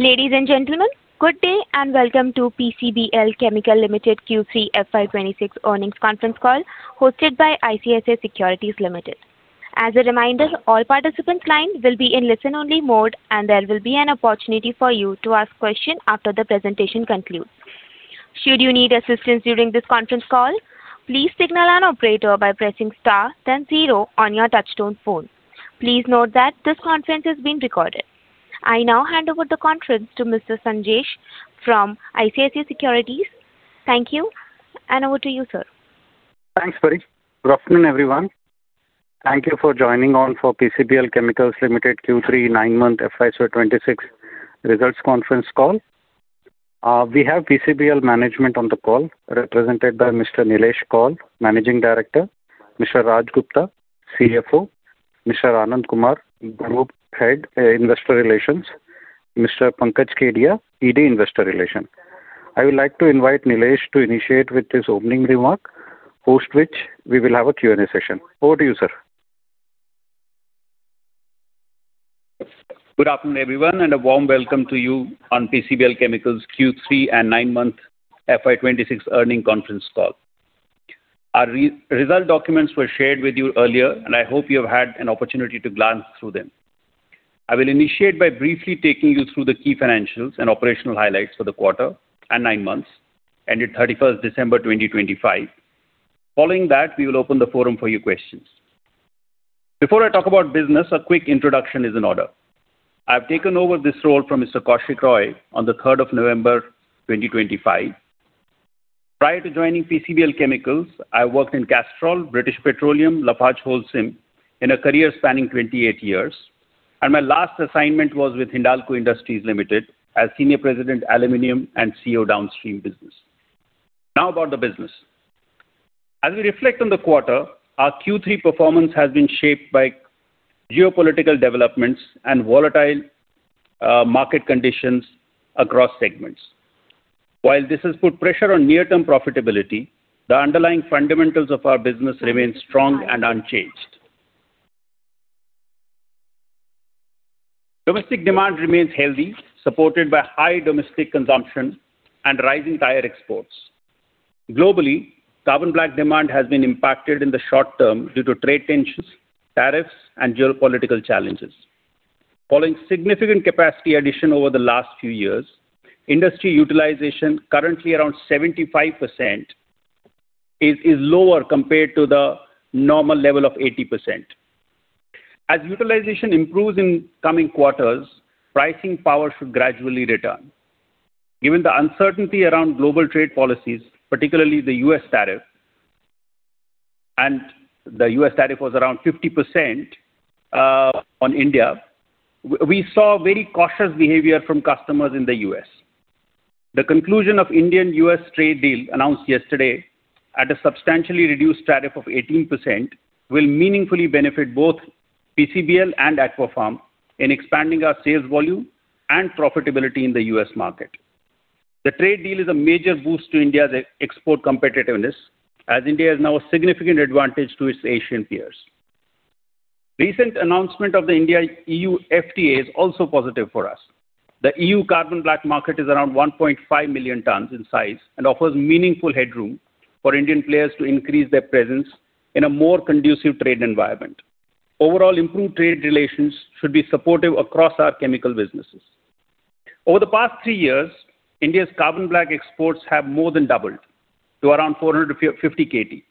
Ladies and gentlemen, good day, and welcome to PCBL Limited Q3 FY 2026 earnings conference call, hosted by ICICI Securities Limited. As a reminder, all participants' lines will be in listen-only mode, and there will be an opportunity for you to ask questions after the presentation concludes. Should you need assistance during this conference call, please signal an operator by pressing star then zero on your touchtone phone. Please note that this conference is being recorded. I now hand over the conference to Mr. Sanjesh from ICICI Securities. Thank you, and over to you, sir. Thanks, Paresh. Good afternoon, everyone. Thank you for joining on for PCBL Limited Q3 nine-month FY 2026 results conference call. We have PCBL management on the call, represented by Mr. Nilesh Koul, Managing Director, Mr. Raj Gupta, CFO, Mr. Anand Kumar, Group Head, Investor Relations, Mr. Pankaj Kedia, ED, Investor Relations. I would like to invite Nilesh to initiate with his opening remark, post which we will have a Q&A session. Over to you, sir. Good afternoon, everyone, and a warm welcome to you on PCBL Limited Q3 and nine-month FY 2026 earnings conference call. Our results documents were shared with you earlier, and I hope you have had an opportunity to glance through them. I will initiate by briefly taking you through the key financials and operational highlights for the quarter and nine months, ended 31st December 2025. Following that, we will open the forum for your questions. Before I talk about business, a quick introduction is in order. I've taken over this role from Mr. Kaushik Roy on the 3rd of November 2025. Prior to joining PCBL Limited, I worked in Castrol, British Petroleum, LafargeHolcim in a career spanning 28 years, and my last assignment was with Hindalco Industries Limited as Senior President, Aluminum, and CEO, Downstream Business. Now, about the business. As we reflect on the quarter, our Q3 performance has been shaped by geopolitical developments and volatile market conditions across segments. While this has put pressure on near-term profitability, the underlying fundamentals of our business remain strong and unchanged. Domestic demand remains healthy, supported by high domestic consumption and rising tire exports. Globally, carbon black demand has been impacted in the short term due to trade tensions, tariffs, and geopolitical challenges. Following significant capacity addition over the last few years, industry utilization, currently around 75%, is lower compared to the normal level of 80%. As utilization improves in coming quarters, pricing power should gradually return. Given the uncertainty around global trade policies, particularly the U.S. tariff, and the U.S. tariff was around 50% on India, we saw very cautious behavior from customers in the U.S. The conclusion of India-U.S. trade deal announced yesterday at a substantially reduced tariff of 18% will meaningfully benefit both PCBL and Aquapharm in expanding our sales volume and profitability in the U.S. market. The trade deal is a major boost to India's export competitiveness, as India has now a significant advantage to its Asian peers. Recent announcement of the India-EU FTA is also positive for us. The EU carbon black market is around 1.5 million tons in size and offers meaningful headroom for Indian players to increase their presence in a more conducive trade environment. Overall, improved trade relations should be supportive across our chemical businesses. Over the past three years, India's carbon black exports have more than doubled to around 450 KT.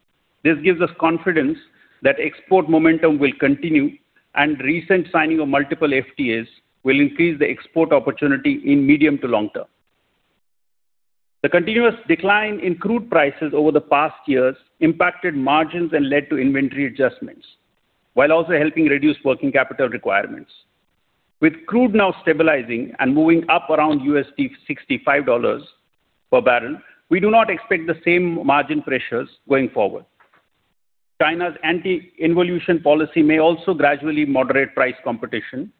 This gives us confidence that export momentum will continue, and recent signing of multiple FTAs will increase the export opportunity in medium to long term. The continuous decline in crude prices over the past years impacted margins and led to inventory adjustments, while also helping reduce working capital requirements. With crude now stabilizing and moving up around $65 per barrel, we do not expect the same margin pressures going forward. China's anti-involution policy may also gradually moderate price competition,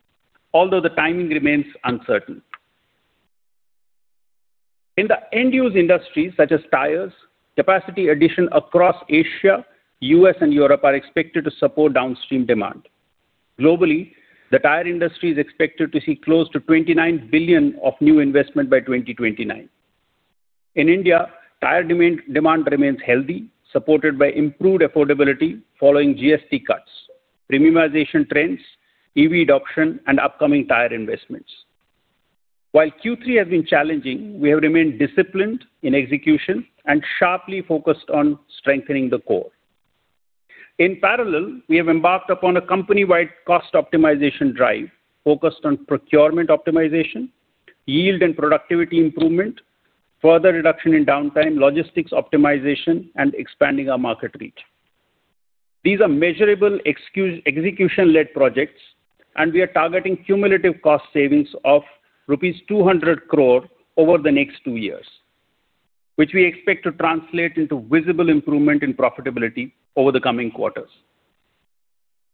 although the timing remains uncertain. In the end-use industries, such as tires, capacity addition across Asia, U.S. and Europe are expected to support downstream demand. Globally, the tire industry is expected to see close to $29 billion of new investment by 2029. In India, tire demand remains healthy, supported by improved affordability following GST cuts, premiumization trends, EV adoption, and upcoming tire investments. While Q3 has been challenging, we have remained disciplined in execution and sharply focused on strengthening the core. In parallel, we have embarked upon a company-wide cost optimization drive focused on procurement optimization, yield and productivity improvement, further reduction in downtime, logistics optimization, and expanding our market reach. These are measurable execution-led projects, and we are targeting cumulative cost savings of rupees 200 crore over the next two years, which we expect to translate into visible improvement in profitability over the coming quarters.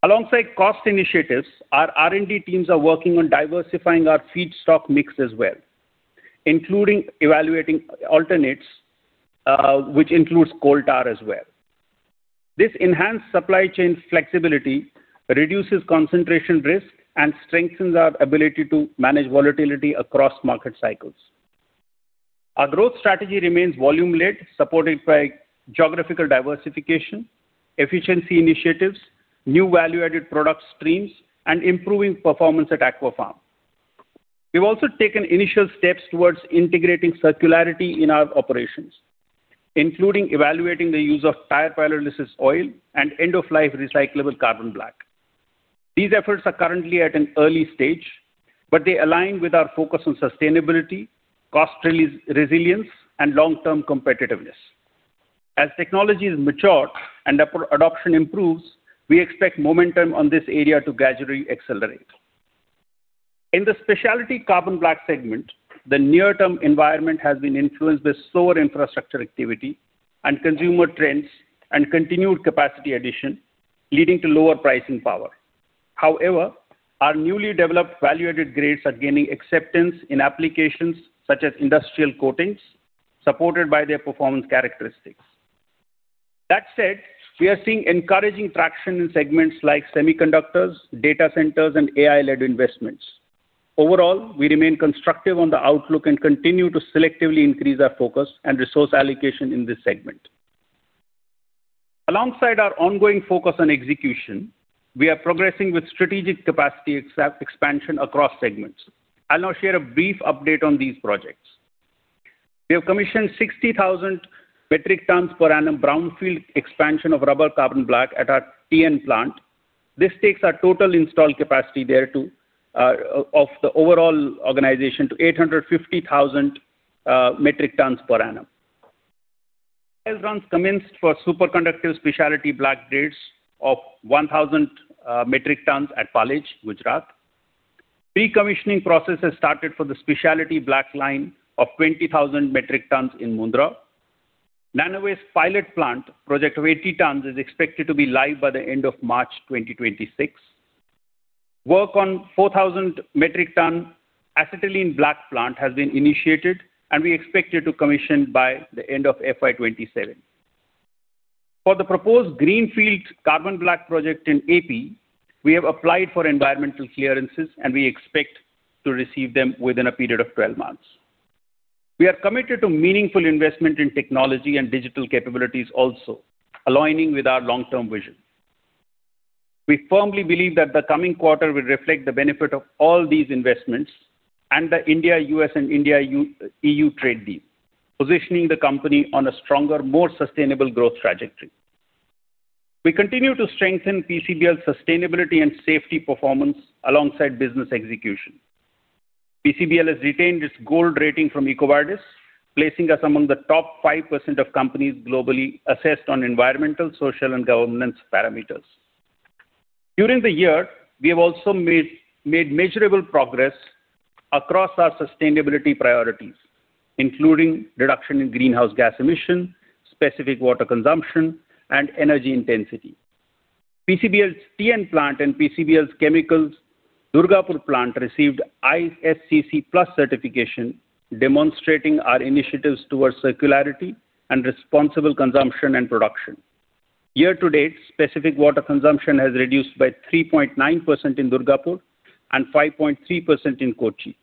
Alongside cost initiatives, our R&D teams are working on diversifying our feedstock mix as well, including evaluating alternatives, which includes coal tar as well. This enhanced supply chain flexibility reduces concentration risk and strengthens our ability to manage volatility across market cycles. Our growth strategy remains volume-led, supported by geographical diversification, efficiency initiatives, new value-added product streams, and improving performance at Aquapharm. We've also taken initial steps towards integrating circularity in our operations, including evaluating the use of tire pyrolysis oil and end-of-life recyclable carbon black. These efforts are currently at an early stage, but they align with our focus on sustainability, cost resilience, and long-term competitiveness. As technologies mature and the adoption improves, we expect momentum on this area to gradually accelerate. In the specialty carbon black segment, the near-term environment has been influenced by slower infrastructure activity and consumer trends and continued capacity addition, leading to lower pricing power. However, our newly developed value-added grades are gaining acceptance in applications such as industrial coatings, supported by their performance characteristics. That said, we are seeing encouraging traction in segments like semiconductors, data centers, and AI-led investments. Overall, we remain constructive on the outlook and continue to selectively increase our focus and resource allocation in this segment. Alongside our ongoing focus on execution, we are progressing with strategic capacity expansion across segments. I'll now share a brief update on these projects. We have commissioned 60,000 metric tons per annum brownfield expansion of rubber carbon black at our TN plant. This takes our total installed capacity there to of the overall organization to 850,000 metric tons per annum. Trial runs commenced for superconductive specialty black grades of 1,000 metric tons at Palej, Gujarat. Decommissioning process has started for the specialty black line of 20,000 metric tons in Mundra. Nanovace pilot plant project of 80 tons is expected to be live by the end of March 2026. Work on 4,000 metric ton acetylene black plant has been initiated, and we expect it to commission by the end of FY 2027. For the proposed greenfield carbon black project in AP, we have applied for environmental clearances, and we expect to receive them within a period of 12 months. We are committed to meaningful investment in technology and digital capabilities also, aligning with our long-term vision. We firmly believe that the coming quarter will reflect the benefit of all these investments and the India-U.S. and India-EU trade deal, positioning the company on a stronger, more sustainable growth trajectory. We continue to strengthen PCBL's sustainability and safety performance alongside business execution. PCBL has retained its gold rating from EcoVadis, placing us among the top 5% of companies globally assessed on environmental, social, and governance parameters. During the year, we have also made measurable progress across our sustainability priorities, including reduction in greenhouse gas emission, specific water consumption, and energy intensity. PCBL's TN plant and PCBL's Chemicals Durgapur plant received ISCC PLUS certification, demonstrating our initiatives towards circularity and responsible consumption and production. Year to date, specific water consumption has reduced by 3.9% in Durgapur and 5.3% in Kochi,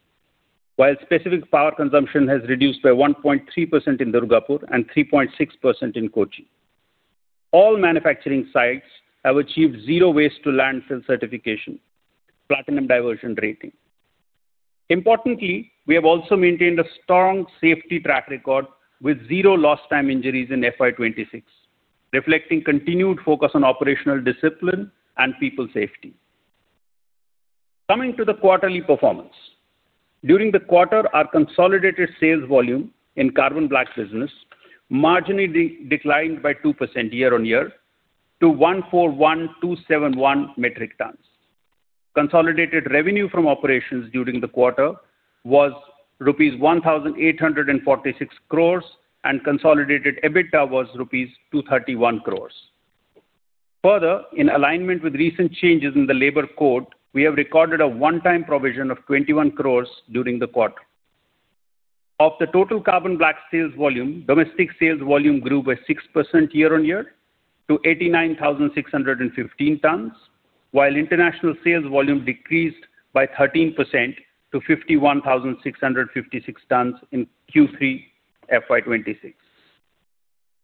while specific power consumption has reduced by 1.3% in Durgapur and 3.6% in Kochi. All manufacturing sites have achieved zero waste to landfill certification, platinum diversion rating. Importantly, we have also maintained a strong safety track record with zero lost time injuries in FY 2026, reflecting continued focus on operational discipline and people safety. Coming to the quarterly performance. During the quarter, our consolidated sales volume in carbon black business marginally declined by 2% year-on-year to 141,271 metric tons. Consolidated revenue from operations during the quarter was rupees 1,846 crores, and consolidated EBITDA was rupees 231 crores. Further, in alignment with recent changes in the labor code, we have recorded a one-time provision of 21 crores during the quarter. Of the total carbon black sales volume, domestic sales volume grew by 6% year-on-year to 89,615 tons, while international sales volume decreased by 13% to 51,656 tons in Q3 FY 2026.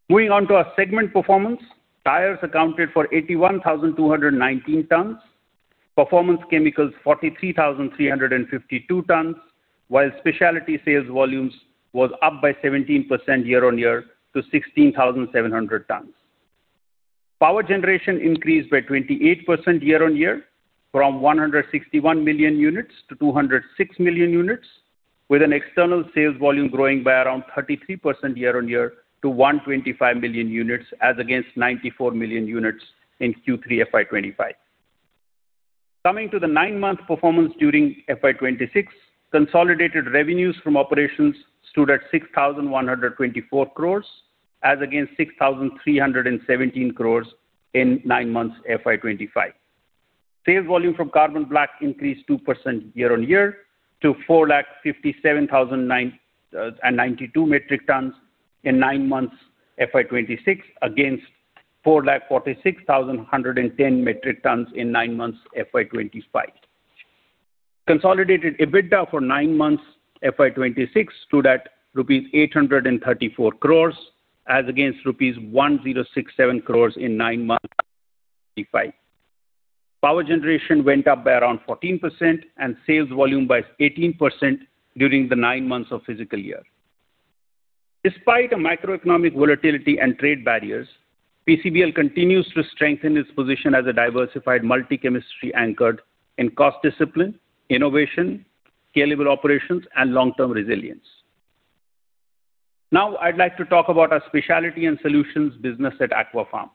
Moving on to our segment performance. Tires accounted for 81,219 tons, performance chemicals 43,352 tons, while specialty sales volumes was up by 17% year-on-year to 16,700 tons. Power generation increased by 28% year-on-year from 161 million units to 206 million units, with an external sales volume growing by around 33% year-on-year to 125 million units, as against 94 million units in Q3 FY 2025. Coming to the nine-month performance during FY 2026, consolidated revenues from operations stood at 6,124 crores as against 6,317 crores in nine months FY 2025. Sales volume from carbon black increased 2% year-on-year, to 457,992 metric tons in nine months, FY 2026, against 446,110 metric tons in nine months, FY 2025. Consolidated EBITDA for nine months, FY 2026, stood at rupees 834 crores, as against rupees 1,067 crores in nine months, 2025. Power generation went up by around 14% and sales volume by 18% during the nine months of fiscal year. Despite a macroeconomic volatility and trade barriers, PCBL continues to strengthen its position as a diversified multi-chemistry, anchored in cost discipline, innovation, scalable operations and long-term resilience. Now, I'd like to talk about our specialty and solutions business at Aquapharm.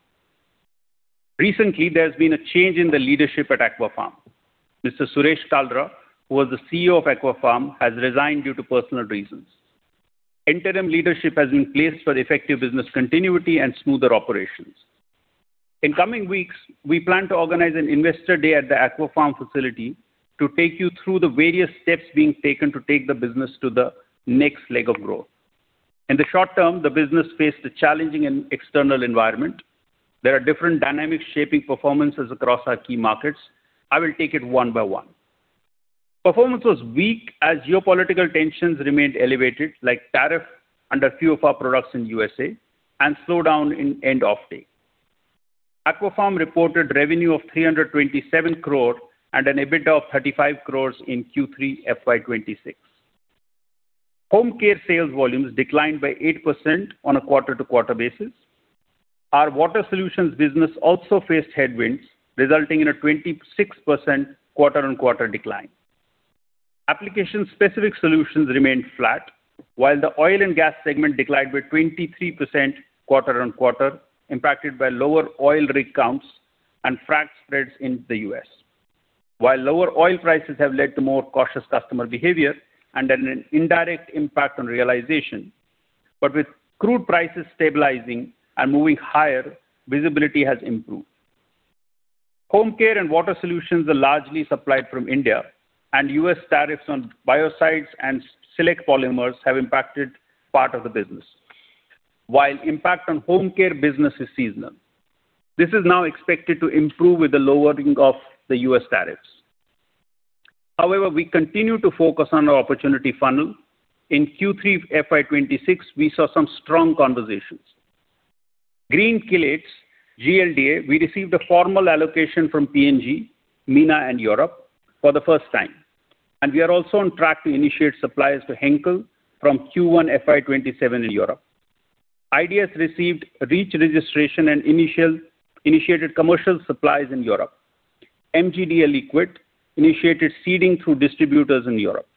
Recently, there's been a change in the leadership at Aquapharm. Mr. Suresh Kalra, who was the CEO of Aquapharm, has resigned due to personal reasons. Interim leadership has been placed for effective business continuity and smoother operations. In coming weeks, we plan to organize an investor day at the Aquapharm facility to take you through the various steps being taken to take the business to the next leg of growth. In the short term, the business faced a challenging and external environment. There are different dynamics shaping performances across our key markets. I will take it one by one. Performance was weak as geopolitical tensions remained elevated, like tariffs on a few of our products in U.S. and slowdown in end-user demand. Aquapharm reported revenue of 327 crore and an EBITDA of 35 crore in Q3 FY 2026. Home care sales volumes declined by 8% on a quarter-to-quarter basis. Our water solutions business also faced headwinds, resulting in a 26% quarter-on-quarter decline. Application specific solutions remained flat, while the oil and gas segment declined by 23% quarter-on-quarter, impacted by lower oil rig counts and frack spreads in the U.S. While lower oil prices have led to more cautious customer behavior and an indirect impact on realization, but with crude prices stabilizing and moving higher, visibility has improved. Home care and water solutions are largely supplied from India, and U.S. tariffs on biocides and select polymers have impacted part of the business. While impact on home care business is seasonal, this is now expected to improve with the lowering of the U.S. tariffs. However, we continue to focus on our opportunity funnel. In Q3 FY 2026, we saw some strong conversations. Green Chelates, GLDA, we received a formal allocation from P&G, MENA and Europe for the first time, and we are also on track to initiate supplies to Henkel from Q1 FY 2027 in Europe. IDS received REACH registration and initiated commercial supplies in Europe. MGDA liquid initiated seeding through distributors in Europe.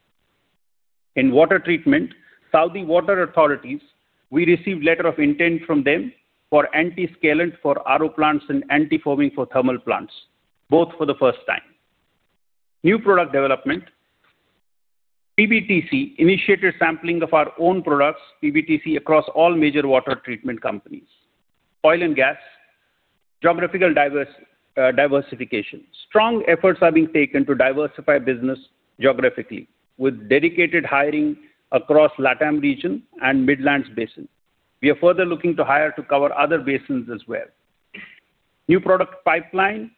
In water treatment, Saudi Water Authority, we received letter of intent from them for antiscalant for RO plants and antifoaming for thermal plants, both for the first time. New product development. PBTC initiated sampling of our own products, PBTC, across all major water treatment companies. Oil and gas, geographical diversification. Strong efforts are being taken to diversify business geographically, with dedicated hiring across LatAm region and Midland Basin. We are further looking to hire to cover other basins as well. New product pipeline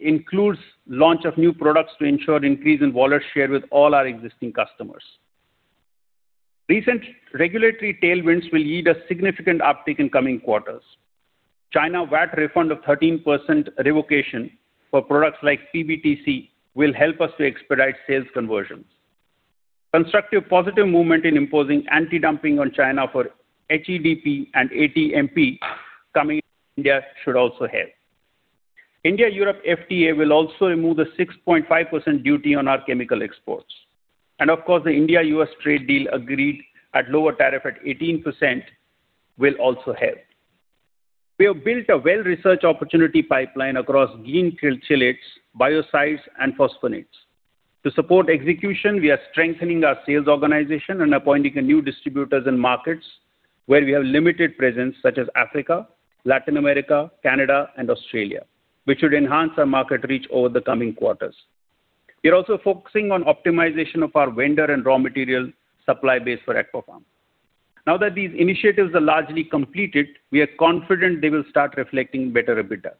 includes launch of new products to ensure increase in wallet share with all our existing customers. Recent regulatory tailwinds will yield a significant uptick in coming quarters. China VAT refund of 13% revocation for products like PBTC will help us to expedite sales conversions. Constructive, positive movement in imposing anti-dumping on China for HEDP and ATMP coming India should also help. India-Europe FTA will also remove the 6.5% duty on our chemical exports. Of course, the India-U.S. trade deal agreed at lower tariff at 18% will also help. We have built a well-researched opportunity pipeline across Green Chelates, biocides and phosphonates. To support execution, we are strengthening our sales organization and appointing a new distributors in markets where we have limited presence, such as Africa, Latin America, Canada and Australia, which would enhance our market reach over the coming quarters. We are also focusing on optimization of our vendor and raw material supply base for Aquapharm. Now that these initiatives are largely completed, we are confident they will start reflecting better EBITDA.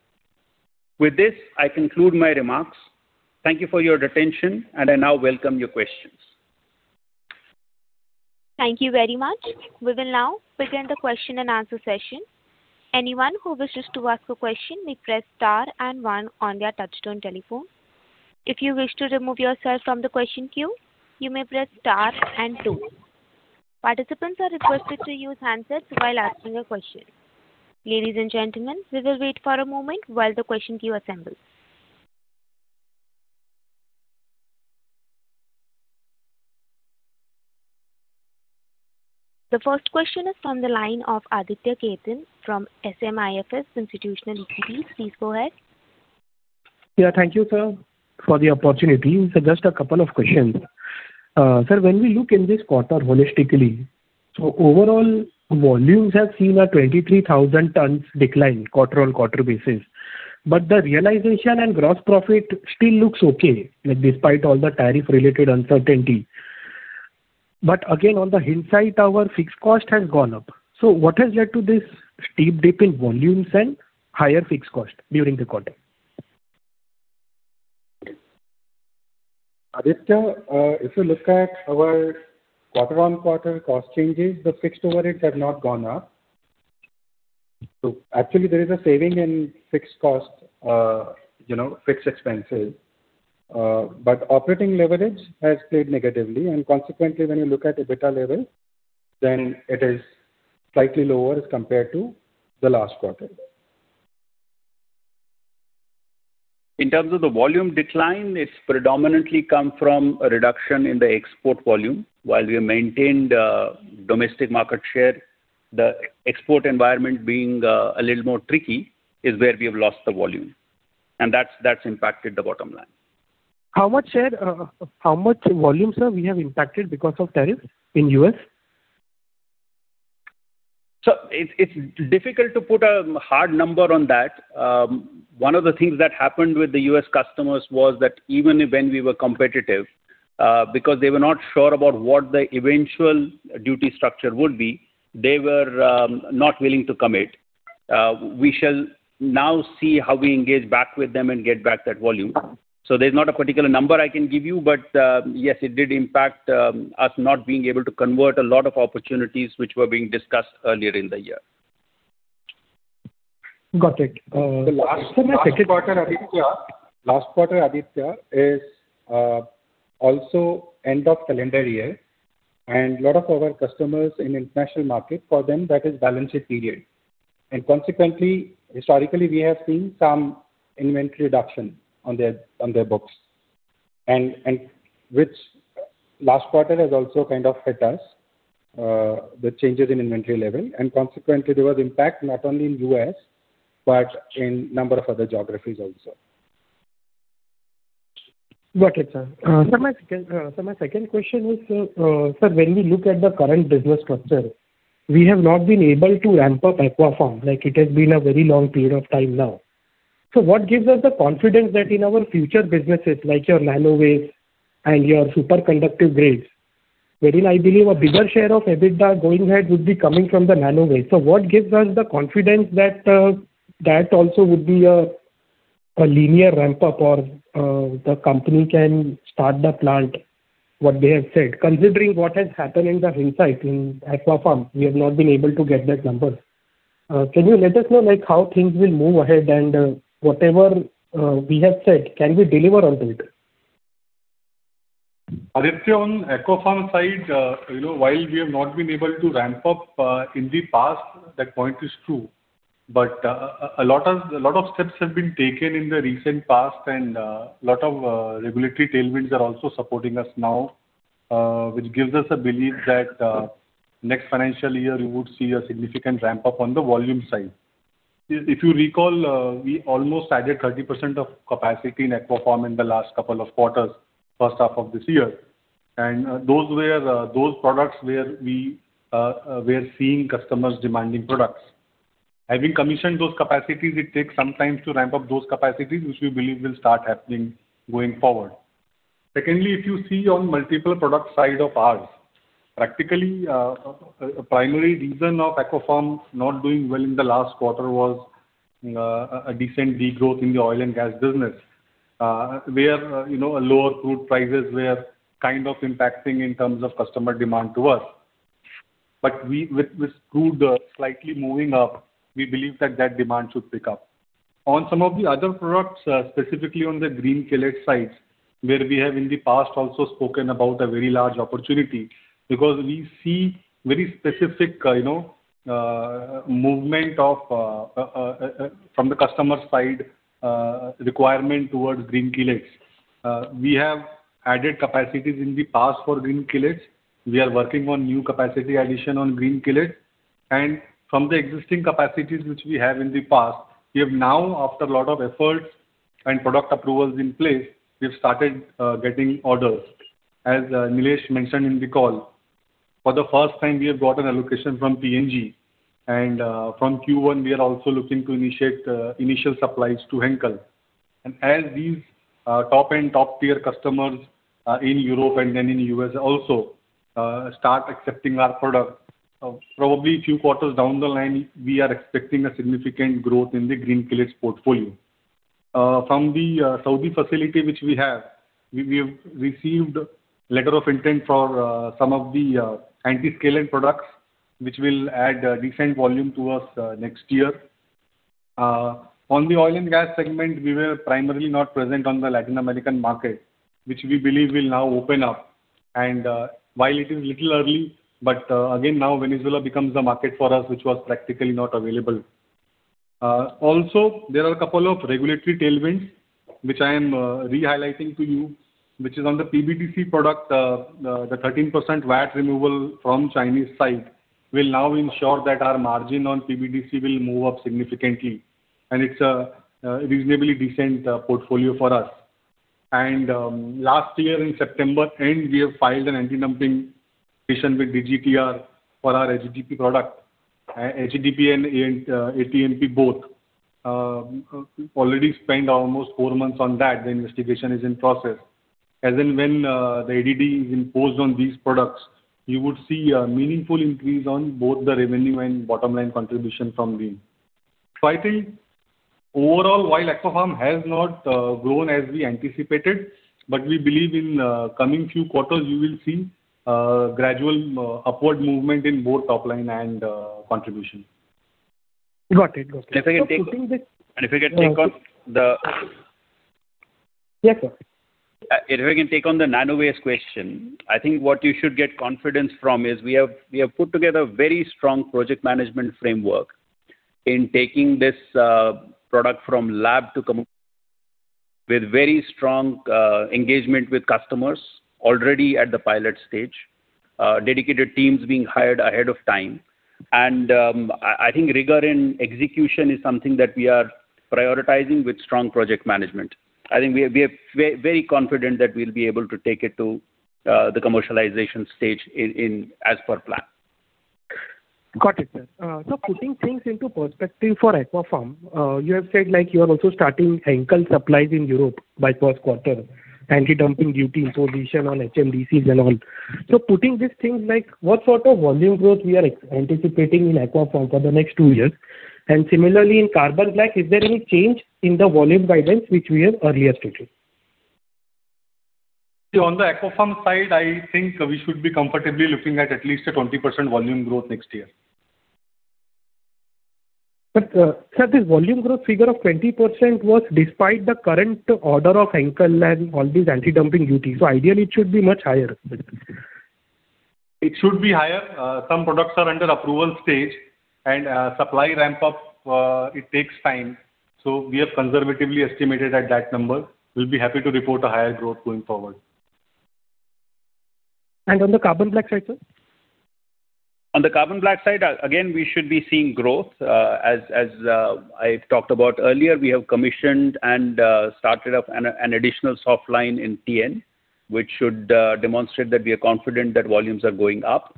With this, I conclude my remarks. Thank you for your attention, and I now welcome your questions. Thank you very much. We will now begin the question and answer session. Anyone who wishes to ask a question, may press star and one on their touchtone telephone. If you wish to remove yourself from the question queue, you may press star and two. Participants are requested to use handsets while asking a question. Ladies and gentlemen, we will wait for a moment while the question queue assembles. The first question is from the line of Aditya Khetan from SMIFS Institutional Equity. Please go ahead. Yeah, thank you, sir, for the opportunity. Just a couple of questions. Sir, when we look in this quarter holistically, so overall, volumes have seen a 23,000 tons decline, quarter-on-quarter basis, but the realization and gross profit still looks okay, like despite all the tariff related uncertainty. But again, on the inside, our fixed cost has gone up. So what has led to this steep dip in volumes and higher fixed cost during the quarter? Aditya, if you look at our quarter-on-quarter cost changes, the fixed overheads have not gone up. So actually, there is a saving in fixed cost, you know, fixed expenses, but operating leverage has played negatively, and consequently, when you look at EBITDA level, then it is slightly lower as compared to the last quarter. In terms of the volume decline, it's predominantly come from a reduction in the export volume. While we have maintained domestic market share, the export environment being a little more tricky is where we have lost the volume, and that's impacted the bottom line. How much share, how much volume, sir, we have impacted because of tariffs in U.S.? It's difficult to put a hard number on that. One of the things that happened with the US customers was that even when we were competitive, because they were not sure about what the eventual duty structure would be, they were not willing to commit. We shall now see how we engage back with them and get back that volume. There's not a particular number I can give you, but, yes, it did impact us not being able to convert a lot of opportunities which were being discussed earlier in the year. Got it. Last quarter, Aditya. Last quarter, Aditya, is also end of calendar year, and a lot of our customers in international market, for them, that is balance sheet period. And consequently, historically, we have seen some inventory reduction on their, on their books, and, and which last quarter has also kind of hit us, the changes in inventory level. And consequently, there was impact not only in U.S., but in number of other geographies also. Got it, sir. So my second question is, sir, when we look at the current business structure, we have not been able to ramp up Aquapharm, like it has been a very long period of time now. So what gives us the confidence that in our future businesses, like your Nanovace and your superconductive grades, wherein I believe a bigger share of EBITDA going ahead would be coming from the Nanovace. So what gives us the confidence that that also would be a linear ramp-up, or the company can start the plant, what they have said, considering what has happened in the inside in Aquapharm, we have not been able to get that number. Can you let us know, like, how things will move ahead and whatever we have said, can we deliver on to it? Aditya, on the Aquapharm side, you know, while we have not been able to ramp up in the past, that point is true, but a lot of, a lot of steps have been taken in the recent past, and a lot of regulatory tailwinds are also supporting us now, which gives us a belief that next financial year you would see a significant ramp-up on the volume side. If you recall, we almost added 30% of capacity in Aquapharm in the last couple of quarters, first half of this year. Those were those products where we were seeing customers demanding products. Having commissioned those capacities, it takes some time to ramp up those capacities, which we believe will start happening going forward. Secondly, if you see on multiple product side of ours, practically, a primary reason of Aquapharm not doing well in the last quarter was a decent degrowth in the oil and gas business, where, you know, lower crude prices were kind of impacting in terms of customer demand to us. But with crude slightly moving up, we believe that that demand should pick up. On some of the other products, specifically on the Green Chelates, where we have in the past also spoken about a very large opportunity, because we see very specific, you know, from the customer side, requirement towards Green Chelates. We have added capacities in the past for Green Chelates. We are working on new capacity addition on Green Chelates, and from the existing capacities which we have in the past, we have now, after a lot of efforts and product approvals in place, we have started getting orders. As Nilesh mentioned in the call, for the first time, we have got an allocation from P&G and from Q1 we are also looking to initiate initial supplies to Henkel. And as these top-end, top-tier customers in Europe and then in U.S. also start accepting our product, probably a few quarters down the line, we are expecting a significant growth in the Green Chelates portfolio. From the Saudi facility, which we have, we've received a letter of intent for some of the anti-scaleant products, which will add a decent volume to us next year. On the oil and gas segment, we were primarily not present on the Latin American market, which we believe will now open up. While it is a little early, but again, now Venezuela becomes a market for us, which was practically not available. Also, there are a couple of regulatory tailwinds, which I am re-highlighting to you, which is on the PBTC product. The 13% VAT removal from the Chinese side will now ensure that our margin on PBTC will move up significantly and it's a reasonably decent portfolio for us. Last year in September, we have filed an anti-dumping petition with DGTR for our HEDP product. HEDP and ATMP both. We've already spent almost four months on that, the investigation is in process. As and when, the ADD is imposed on these products, you would see a meaningful increase on both the revenue and bottom line contribution from them. So I think overall, while Aquapharm has not grown as we anticipated, but we believe in coming few quarters, you will see gradual upward movement in both top line and contribution. Got it. Got it. And if I can take on- Putting the- If I can take on the Yes, sir. If I can take on the Nanovace question, I think what you should get confidence from is, we have put together a very strong project management framework in taking this product from lab to, with very strong engagement with customers already at the pilot stage, dedicated teams being hired ahead of time. I think rigor in execution is something that we are prioritizing with strong project management. I think we are very confident that we'll be able to take it to the commercialization stage as per plan. Got it, sir. So putting things into perspective for Aquapharm, you have said like you are also starting initial supplies in Europe by first quarter, anti-dumping duty imposition on HEDPs and all. So putting these things, like, what sort of volume growth we are anticipating in Aquapharm for the next two years? And similarly, in carbon black, is there any change in the volume guidance which we have earlier stated? On the Aquapharm side, I think we should be comfortably looking at least 20% volume growth next year. Sir, this volume growth figure of 20% was despite the current order of Henkel and all these anti-dumping duties, so ideally it should be much higher. It should be higher. Some products are under approval stage, and supply ramp up, it takes time, so we have conservatively estimated at that number. We'll be happy to report a higher growth going forward. On the carbon black side, sir? On the carbon black side, again, we should be seeing growth. As I talked about earlier, we have commissioned and started up an additional soft line in TN, which should demonstrate that we are confident that volumes are going up.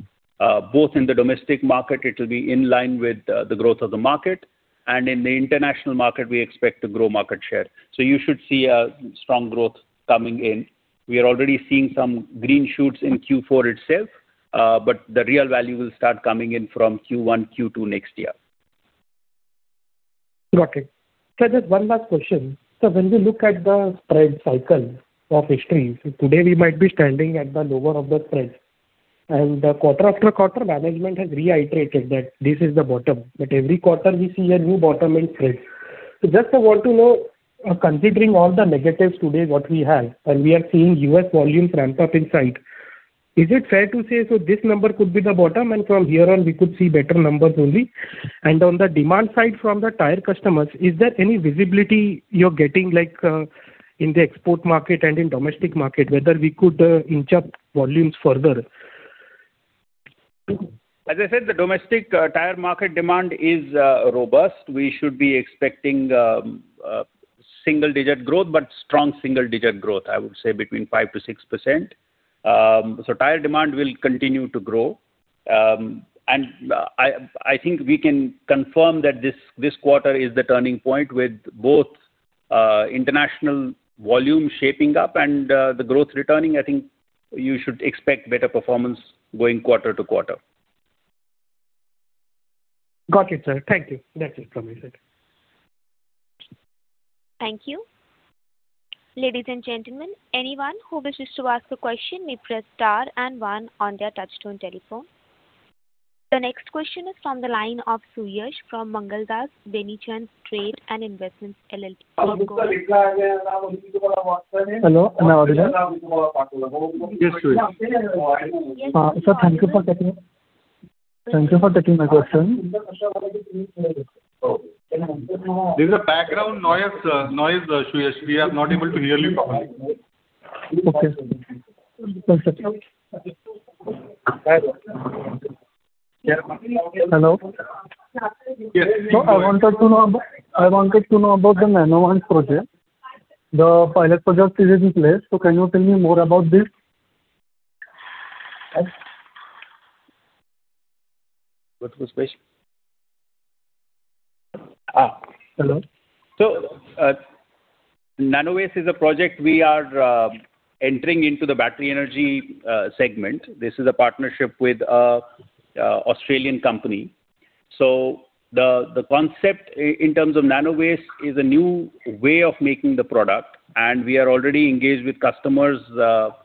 Both in the domestic market, it will be in line with the growth of the market, and in the international market, we expect to grow market share. So you should see a strong growth coming in. We are already seeing some green shoots in Q4 itself, but the real value will start coming in from Q1, Q2 next year. Got it. Sir, just one last question. Sir, when we look at the spread cycle of history, today, we might be standing at the lower of the spread. And quarter after quarter, management has reiterated that this is the bottom, but every quarter we see a new bottom in spread. So just I want to know, considering all the negatives today what we have, and we are seeing U.S. volume ramp up in sight, is it fair to say, so this number could be the bottom, and from here on, we could see better numbers only? And on the demand side from the tire customers, is there any visibility you're getting, like, in the export market and in domestic market, whether we could inch up volumes further? As I said, the domestic tire market demand is robust. We should be expecting single digit growth, but strong single digit growth, I would say between 5%-6%. So tire demand will continue to grow. And I think we can confirm that this quarter is the turning point with both international volume shaping up and the growth returning. I think you should expect better performance going quarter to quarter. Got it, sir. Thank you. That's it from my side. Thank you. Ladies and gentlemen, anyone who wishes to ask a question may press star and one on their touchtone telephone. The next question is from the line of Suyash from Mangaldas Venichand Trades and Investments LLP. Hello, am I audible? Yes, Suyash. Sir, thank you for taking. Thank you for taking my question. There's a background noise, noise, Suyash. We are not able to hear you properly. Okay. Hello? No, I wanted to know about, I wanted to know about the Nanovace project. The pilot project is in place, so can you tell me more about this? Hello. So, Nanovace is a project we are entering into the battery energy segment. This is a partnership with a Australian company. So the concept in terms of Nanovace is a new way of making the product, and we are already engaged with customers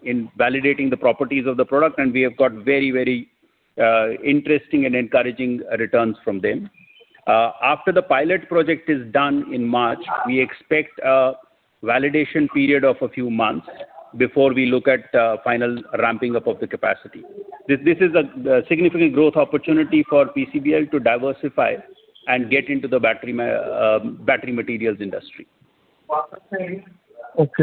in validating the properties of the product, and we have got very, very interesting and encouraging returns from them. After the pilot project is done in March, we expect a validation period of a few months before we look at final ramping up of the capacity. This is a significant growth opportunity for PCBL to diversify and get into the battery materials industry. Okay.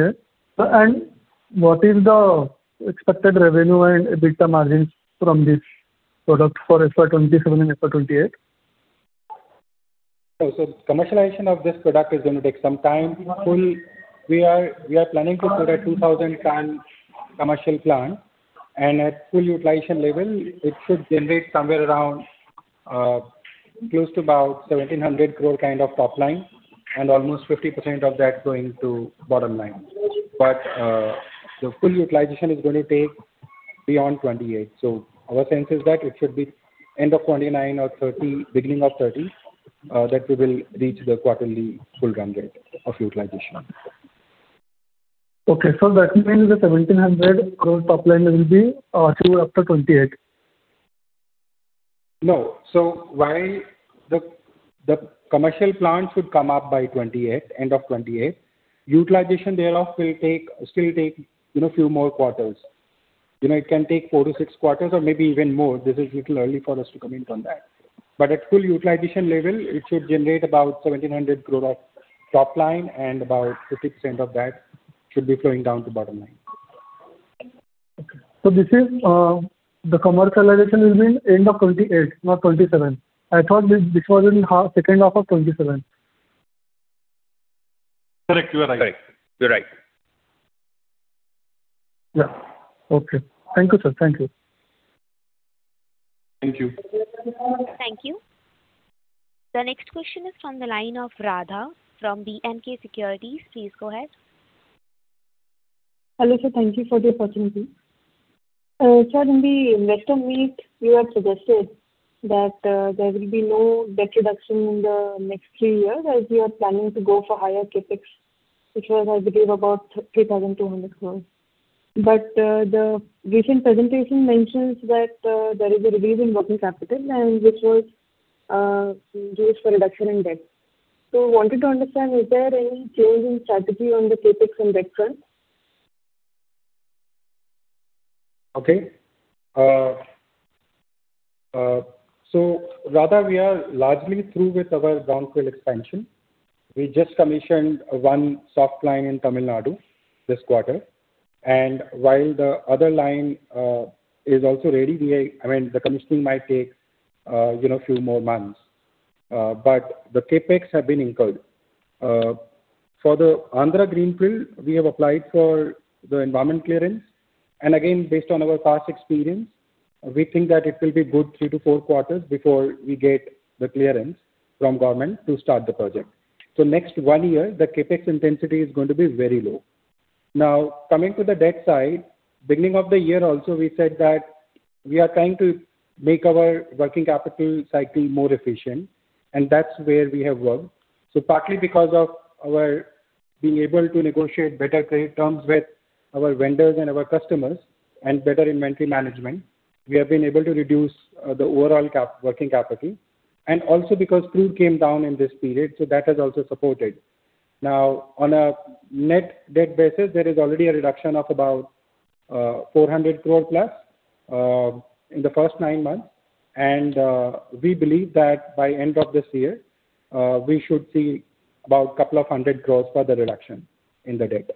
Sir, and what is the expected revenue and EBITDA margins from this product for FY 2027 and FY 2028? So, commercialization of this product is going to take some time. Fully, we are planning to put a 2,000-ton commercial plant, and at full utilization level, it should generate somewhere around, close to about 1,700 crore kind of top line, and almost 50% of that going to bottom line. But, the full utilization is going to take beyond 2028. So our sense is that it should be end of 2029 or 2030, beginning of 2030, that we will reach the quarterly full run rate of utilization. Okay, so that means the 1,700 crore top line will be through up to 2028? No. So while the commercial plant should come up by 2028, end of 2028, utilization thereof will still take, you know, few more quarters. You know, it can take four to six quarters or maybe even more. This is a little early for us to comment on that. But at full utilization level, it should generate about 1,700 crore of top line, and about 50% of that should be flowing down to bottom line. Okay. So this is the commercialization will be end of 2028, not 2027. I thought this, this was in half, second half of 2027. Correct. You are right. Correct. You're right. Yeah. Okay. Thank you, sir. Thank you. Thank you. Thank you. The next question is from the line of Radha from B&K Securities. Please go ahead. Hello, sir. Thank you for the opportunity. Sir, in the investor meet, you had suggested that there will be no debt reduction in the next three years as you are planning to go for higher CapEx, which was, as gave about 3,200 crore. But the recent presentation mentions that there is a decrease in working capital and which was used for reduction in debt. So wanted to understand, is there any change in strategy on the CapEx and debt front? Okay. So Radha, we are largely through with our brownfield expansion. We just commissioned 1 soft line in Tamil Nadu this quarter, and while the other line is also ready, we are—I mean, the commissioning might take, you know, few more months, but the CapEx have been incurred. For the Andhra greenfield, we have applied for the environment clearance, and again, based on our past experience, we think that it will be good three to four quarters before we get the clearance from government to start the project. So next one year, the CapEx intensity is going to be very low. Now, coming to the debt side, beginning of the year also, we said that we are trying to make our working capital cycle more efficient, and that's where we have worked. So partly because of our being able to negotiate better credit terms with our vendors and our customers and better inventory management, we have been able to reduce the overall working capital. And also because crude came down in this period, so that has also supported. Now, on a net debt basis, there is already a reduction of about 400 crore plus in the first nine months, and we believe that by end of this year, we should see about a couple of hundred crore further reduction in the debt.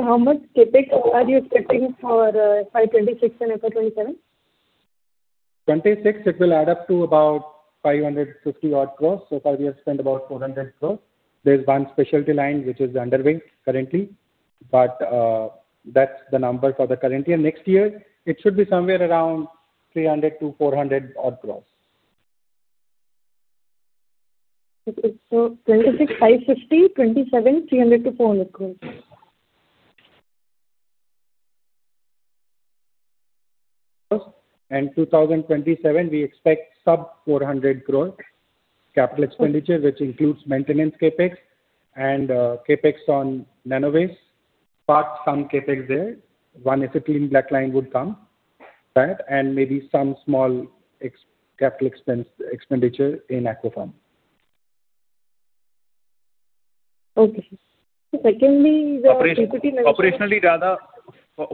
How much CapEx are you expecting for FY 2026 and FY 2027? 2026, it will add up to about 550 odd crores. So far, we have spent about 400 crores. There's one specialty line which is underway currently, but that's the number for the current year. Next year, it should be somewhere around 300 odd crores-INR 400 odd crores. Okay. So 2026, 550 crore, 2027, 300 crore-400 crore. 2027, we expect sub 400 crore capital expenditure- Okay. - which includes maintenance CapEx and CapEx on Nanovace, but some CapEx there. One Acetylene Black line would come, right? And maybe some small capital expense, expenditure in Aquapharm. Okay. Secondly, the DPT- Operationally, Radha,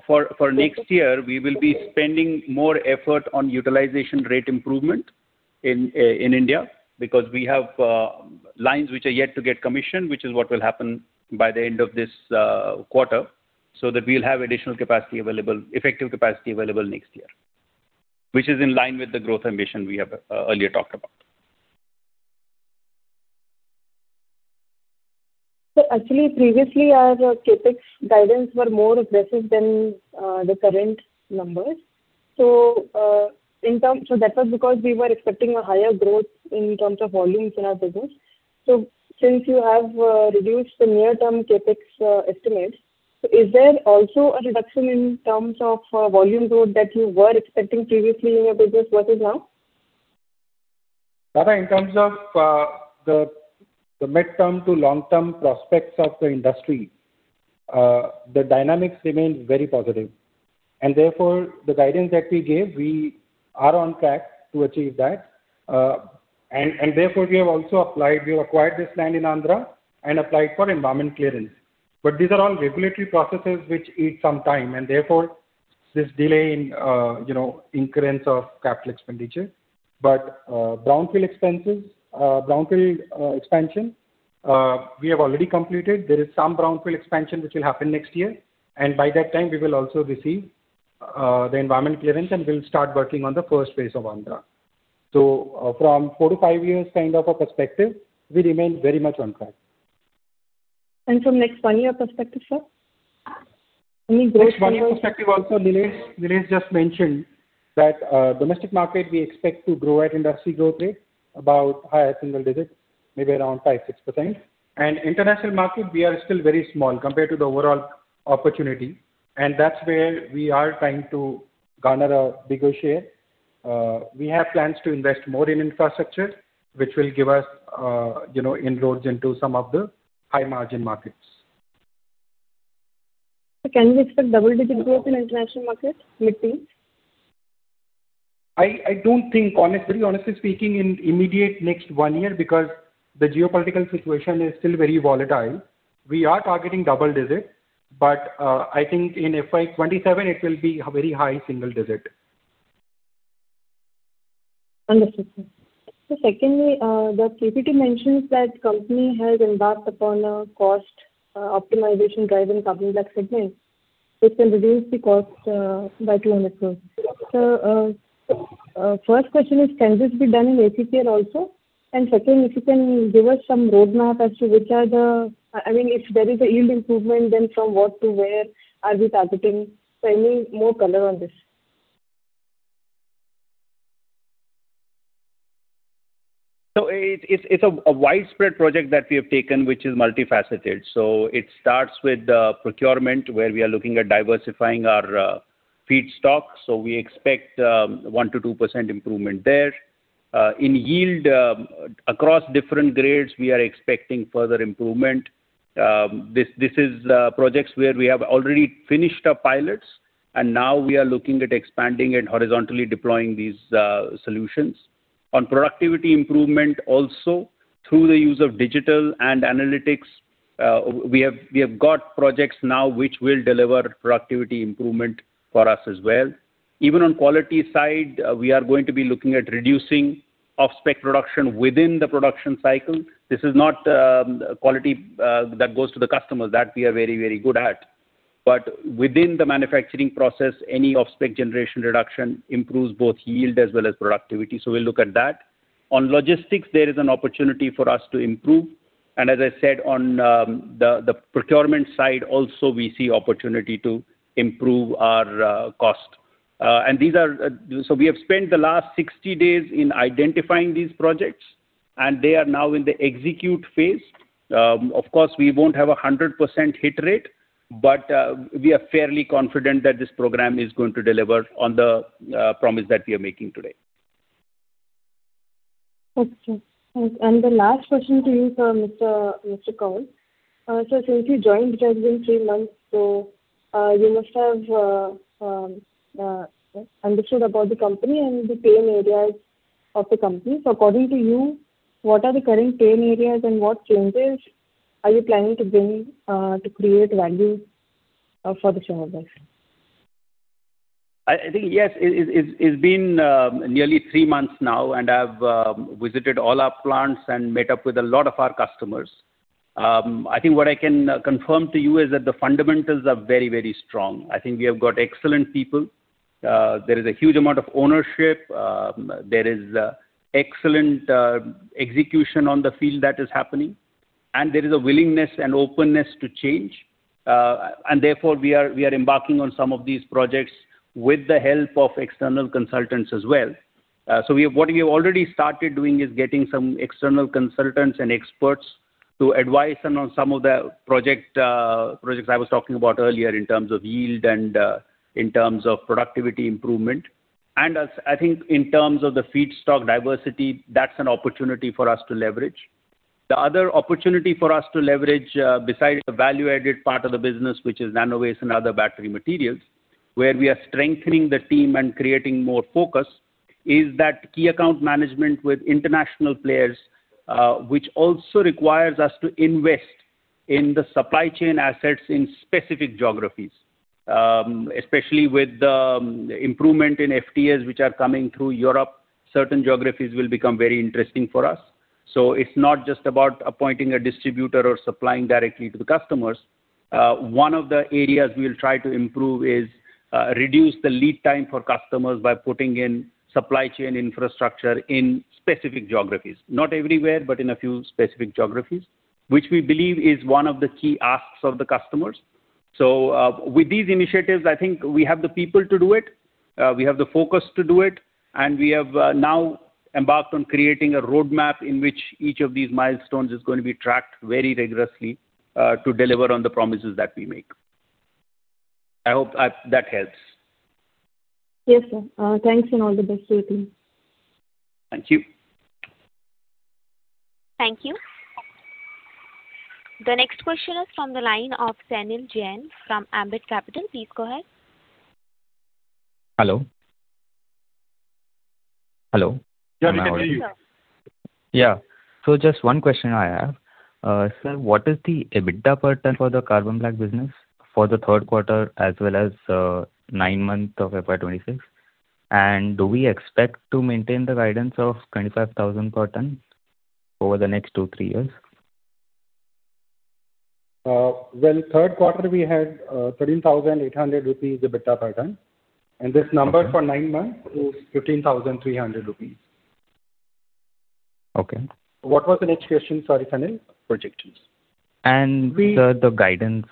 for next year, we will be spending more effort on utilization rate improvement in India, because we have lines which are yet to get commissioned, which is what will happen by the end of this quarter, so that we'll have additional capacity available, effective capacity available next year, which is in line with the growth ambition we have, earlier talked about. So actually, previously, our CapEx guidance were more aggressive than the current numbers. So, in terms. So that was because we were expecting a higher growth in terms of volumes in our business. So since you have reduced the near-term CapEx estimates, so is there also a reduction in terms of volume growth that you were expecting previously in your business versus now? Radha, in terms of the mid- to long-term prospects of the industry, the dynamics remain very positive, and therefore, the guidance that we gave, we are on track to achieve that. And therefore, we have also applied. We acquired this land in Andhra and applied for environmental clearance. But these are all regulatory processes which need some time, and therefore, this delay in, you know, incurrence of capital expenditure. But brownfield expansion- we have already completed. There is some brownfield expansion which will happen next year, and by that time, we will also receive the environment clearance, and we'll start working on the first phase of Andhra. So from 4-5 years kind of a perspective, we remain very much on track. From next one year perspective, sir? Any growth- Next one year perspective also, Nilesh, Nilesh just mentioned that, domestic market, we expect to grow at industry growth rate, about high single digits, maybe around 5%-6%. And international market, we are still very small compared to the overall opportunity, and that's where we are trying to garner a bigger share. We have plans to invest more in infrastructure, which will give us, you know, inroads into some of the high-margin markets. Can we expect double-digit growth in international markets with these? I don't think, honestly, honestly speaking, in immediate next one year, because the geopolitical situation is still very volatile. We are targeting double digits, but, I think in FY 2027, it will be a very high single digit. Understood, sir. So secondly, the PPT mentions that company has embarked upon a cost, optimization drive in carbon black segment, which can reduce the cost, by 200 crore. So, first question is, can this be done in ACPL also? And secondly, if you can give us some roadmap as to which are the, I mean, if there is a yield improvement, then from what to where are we targeting? So any more color on this. It's a widespread project that we have taken, which is multifaceted. So it starts with procurement, where we are looking at diversifying our feedstock, so we expect 1%-2% improvement there. In yield, across different grades, we are expecting further improvement. This is projects where we have already finished our pilots, and now we are looking at expanding and horizontally deploying these solutions. On productivity improvement also, through the use of digital and analytics, we have got projects now which will deliver productivity improvement for us as well. Even on quality side, we are going to be looking at reducing off-spec production within the production cycle. This is not quality that goes to the customer. That we are very, very good at. But within the manufacturing process, any off-spec generation reduction improves both yield as well as productivity, so we'll look at that. On logistics, there is an opportunity for us to improve, and as I said, on the procurement side also, we see opportunity to improve our cost. And these are... So we have spent the last 60 days in identifying these projects, and they are now in the execute phase. Of course, we won't have a 100% hit rate, but we are fairly confident that this program is going to deliver on the promise that we are making today. Okay. And the last question to you, sir, Mr. Koul. So since you joined, it has been three months, so you must have understood about the company and the pain areas of the company. So according to you, what are the current pain areas, and what changes are you planning to bring to create value for the shareholders? I think, yes, it's been nearly three months now, and I've visited all our plants and met up with a lot of our customers. I think what I can confirm to you is that the fundamentals are very, very strong. I think we have got excellent people. There is a huge amount of ownership. There is excellent execution on the field that is happening, and there is a willingness and openness to change. And therefore, we are embarking on some of these projects with the help of external consultants as well. So what we have already started doing is getting some external consultants and experts to advise on some of the projects I was talking about earlier, in terms of yield and in terms of productivity improvement. As I think in terms of the feedstock diversity, that's an opportunity for us to leverage. The other opportunity for us to leverage, besides the value-added part of the business, which is nano-waste and other battery materials, where we are strengthening the team and creating more focus, is that key account management with international players, which also requires us to invest in the supply chain assets in specific geographies. Especially with the improvement in FTAs, which are coming through Europe, certain geographies will become very interesting for us. So it's not just about appointing a distributor or supplying directly to the customers. One of the areas we'll try to improve is, reduce the lead time for customers by putting in supply chain infrastructure in specific geographies. Not everywhere, but in a few specific geographies, which we believe is one of the key asks of the customers. So, with these initiatives, I think we have the people to do it, we have the focus to do it, and we have, now embarked on creating a roadmap in which each of these milestones is going to be tracked very rigorously, to deliver on the promises that we make. I hope that, that helps. Yes, sir. Thanks and all the best to you team. Thank you. Thank you. The next question is from the line of Sanil Jain from Ambit Capital. Please go ahead. Hello? Hello. Yeah, I can hear you. Yeah. So just one question I have. Sir, what is the EBITDA per ton for the carbon black business for the third quarter, as well as nine months of FY 2026? And do we expect to maintain the guidance of 25,000 per ton over the next two to three years? Well, third quarter, we had 13,800 rupees EBITDA per ton, and this number for nine months is 15,300 rupees. Okay. What was the next question, sorry, Sanil? Projections. And- We- the guidance,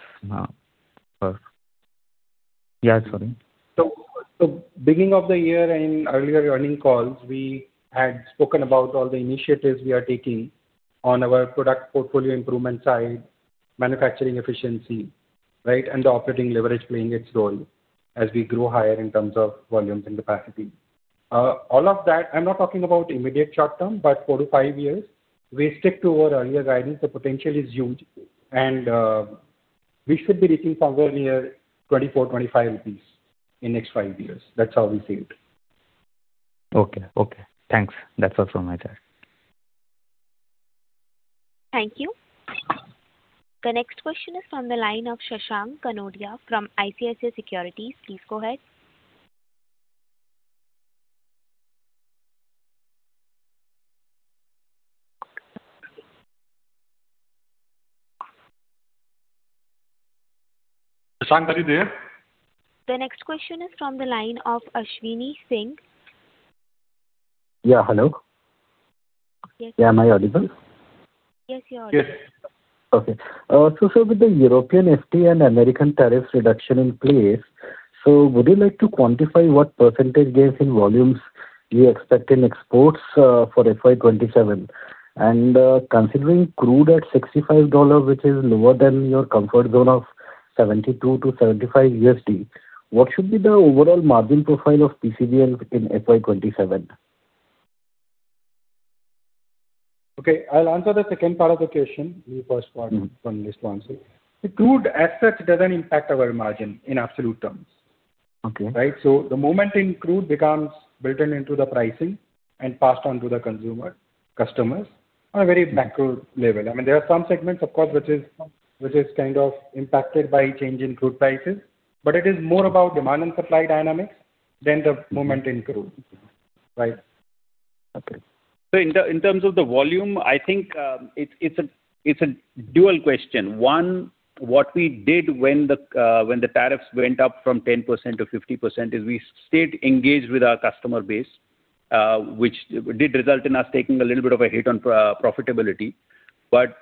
yeah, sorry. So, beginning of the year, in earlier earnings calls, we had spoken about all the initiatives we are taking on our product portfolio improvement side, manufacturing efficiency, right? And the operating leverage playing its role as we grow higher in terms of volumes and capacity. All of that, I'm not talking about immediate short term, but 4-5 years, we stick to our earlier guidance. The potential is huge, and, we should be reaching somewhere near 24-25 rupees in next 5 years. That's how we see it. Okay. Okay. Thanks. That's all from my side. Thank you. The next question is from the line of Shashank Kanodia from ICICI Securities. Please go ahead. Shashank, are you there? The next question is from the line of Ashwini Singh. Yeah. Hello. Yes. Yeah. Am I audible? Yes, you're audible. Yes. Okay. So, sir, with the European FTA and American tariffs reduction in place, so would you like to quantify what percentage gains in volumes you expect in exports, for FY 2027? And, considering crude at $65, which is lower than your comfort zone of $72-$75, what should be the overall margin profile of PCBL in FY 2027? Okay, I'll answer the second part of the question. The first part, let me respond to. The crude as such, doesn't impact our margin in absolute terms. Okay. Right? So the movement in crude becomes built in into the pricing and passed on to the consumer, customers on a very macro level. I mean, there are some segments, of course, which is kind of impacted by change in crude prices, but it is more about demand and supply dynamics than the movement in crude. Right. Okay. So in terms of the volume, I think, it's a dual question. One, what we did when the tariffs went up from 10%-50%, is we stayed engaged with our customer base, which did result in us taking a little bit of a hit on profitability. But,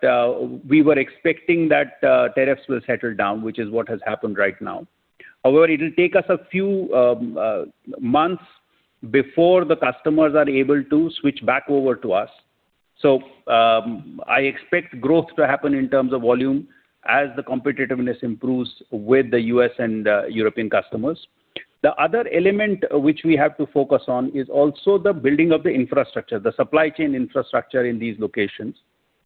we were expecting that, tariffs will settle down, which is what has happened right now. However, it will take us a few months before the customers are able to switch back over to us. So, I expect growth to happen in terms of volume as the competitiveness improves with the U.S. and European customers. The other element which we have to focus on is also the building of the infrastructure, the supply chain infrastructure in these locations,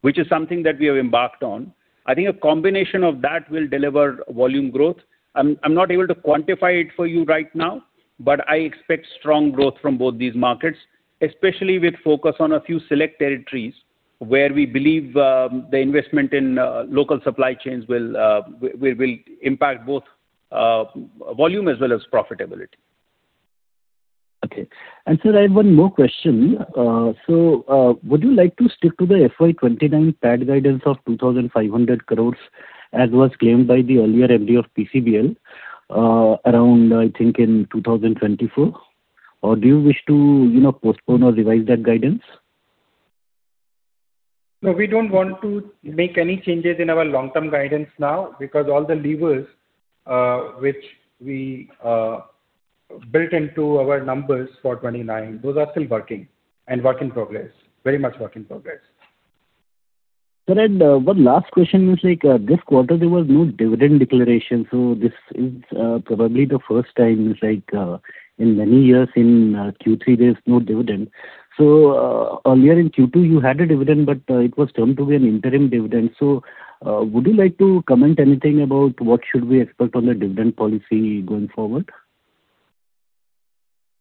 which is something that we have embarked on. I think a combination of that will deliver volume growth. I'm not able to quantify it for you right now, but I expect strong growth from both these markets, especially with focus on a few select territories where we believe the investment in local supply chains will impact both volume as well as profitability. Okay. Sir, I have one more question. So, would you like to stick to the FY 2029 PAT guidance of 2,500 crore, as was claimed by the earlier MD of PCBL, around, I think, in 2024? Or do you wish to, you know, postpone or revise that guidance? No, we don't want to make any changes in our long-term guidance now, because all the levers, which we built into our numbers for 29, those are still working and work in progress. Very much work in progress. Sir, one last question was, like, this quarter, there was no dividend declaration, so this is, probably the first time, like, in many years in Q3, there's no dividend. So, earlier in Q2, you had a dividend, but it was termed to be an interim dividend. So, would you like to comment anything about what should we expect on the dividend policy going forward?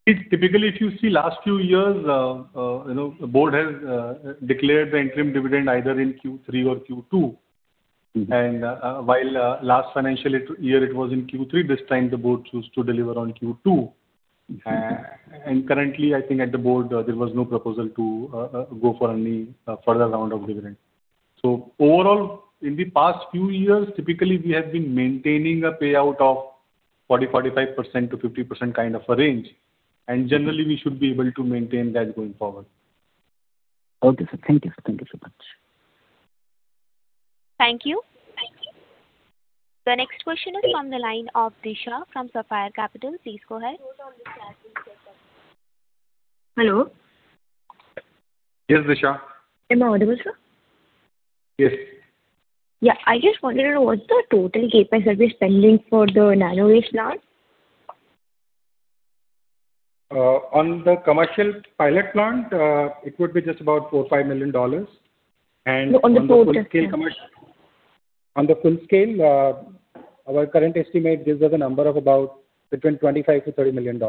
Typically, if you see last few years, you know, the board has declared the interim dividend either in Q3 or Q2. Mm-hmm. While last financial year it was in Q3, this time the board chose to deliver on Q2. Mm-hmm. Currently, I think at the board, there was no proposal to go for any further round of dividend. So overall, in the past few years, typically, we have been maintaining a payout of 40%-45% to 50% kind of a range, and generally, we should be able to maintain that going forward. Okay, sir. Thank you. Thank you so much. Thank you. The next question is from the line of Disha from Sapphire Capital. Please go ahead. Hello. Yes, Disha. Am I audible, sir? Yes. Yeah. I just wanted to know what the total CapEx service spending for the nanovace plant? On the commercial pilot plant, it would be just about $4 million-$5 million. And- On the full scale- On the full scale, our current estimate gives us a number of about between $25 million-$30 million.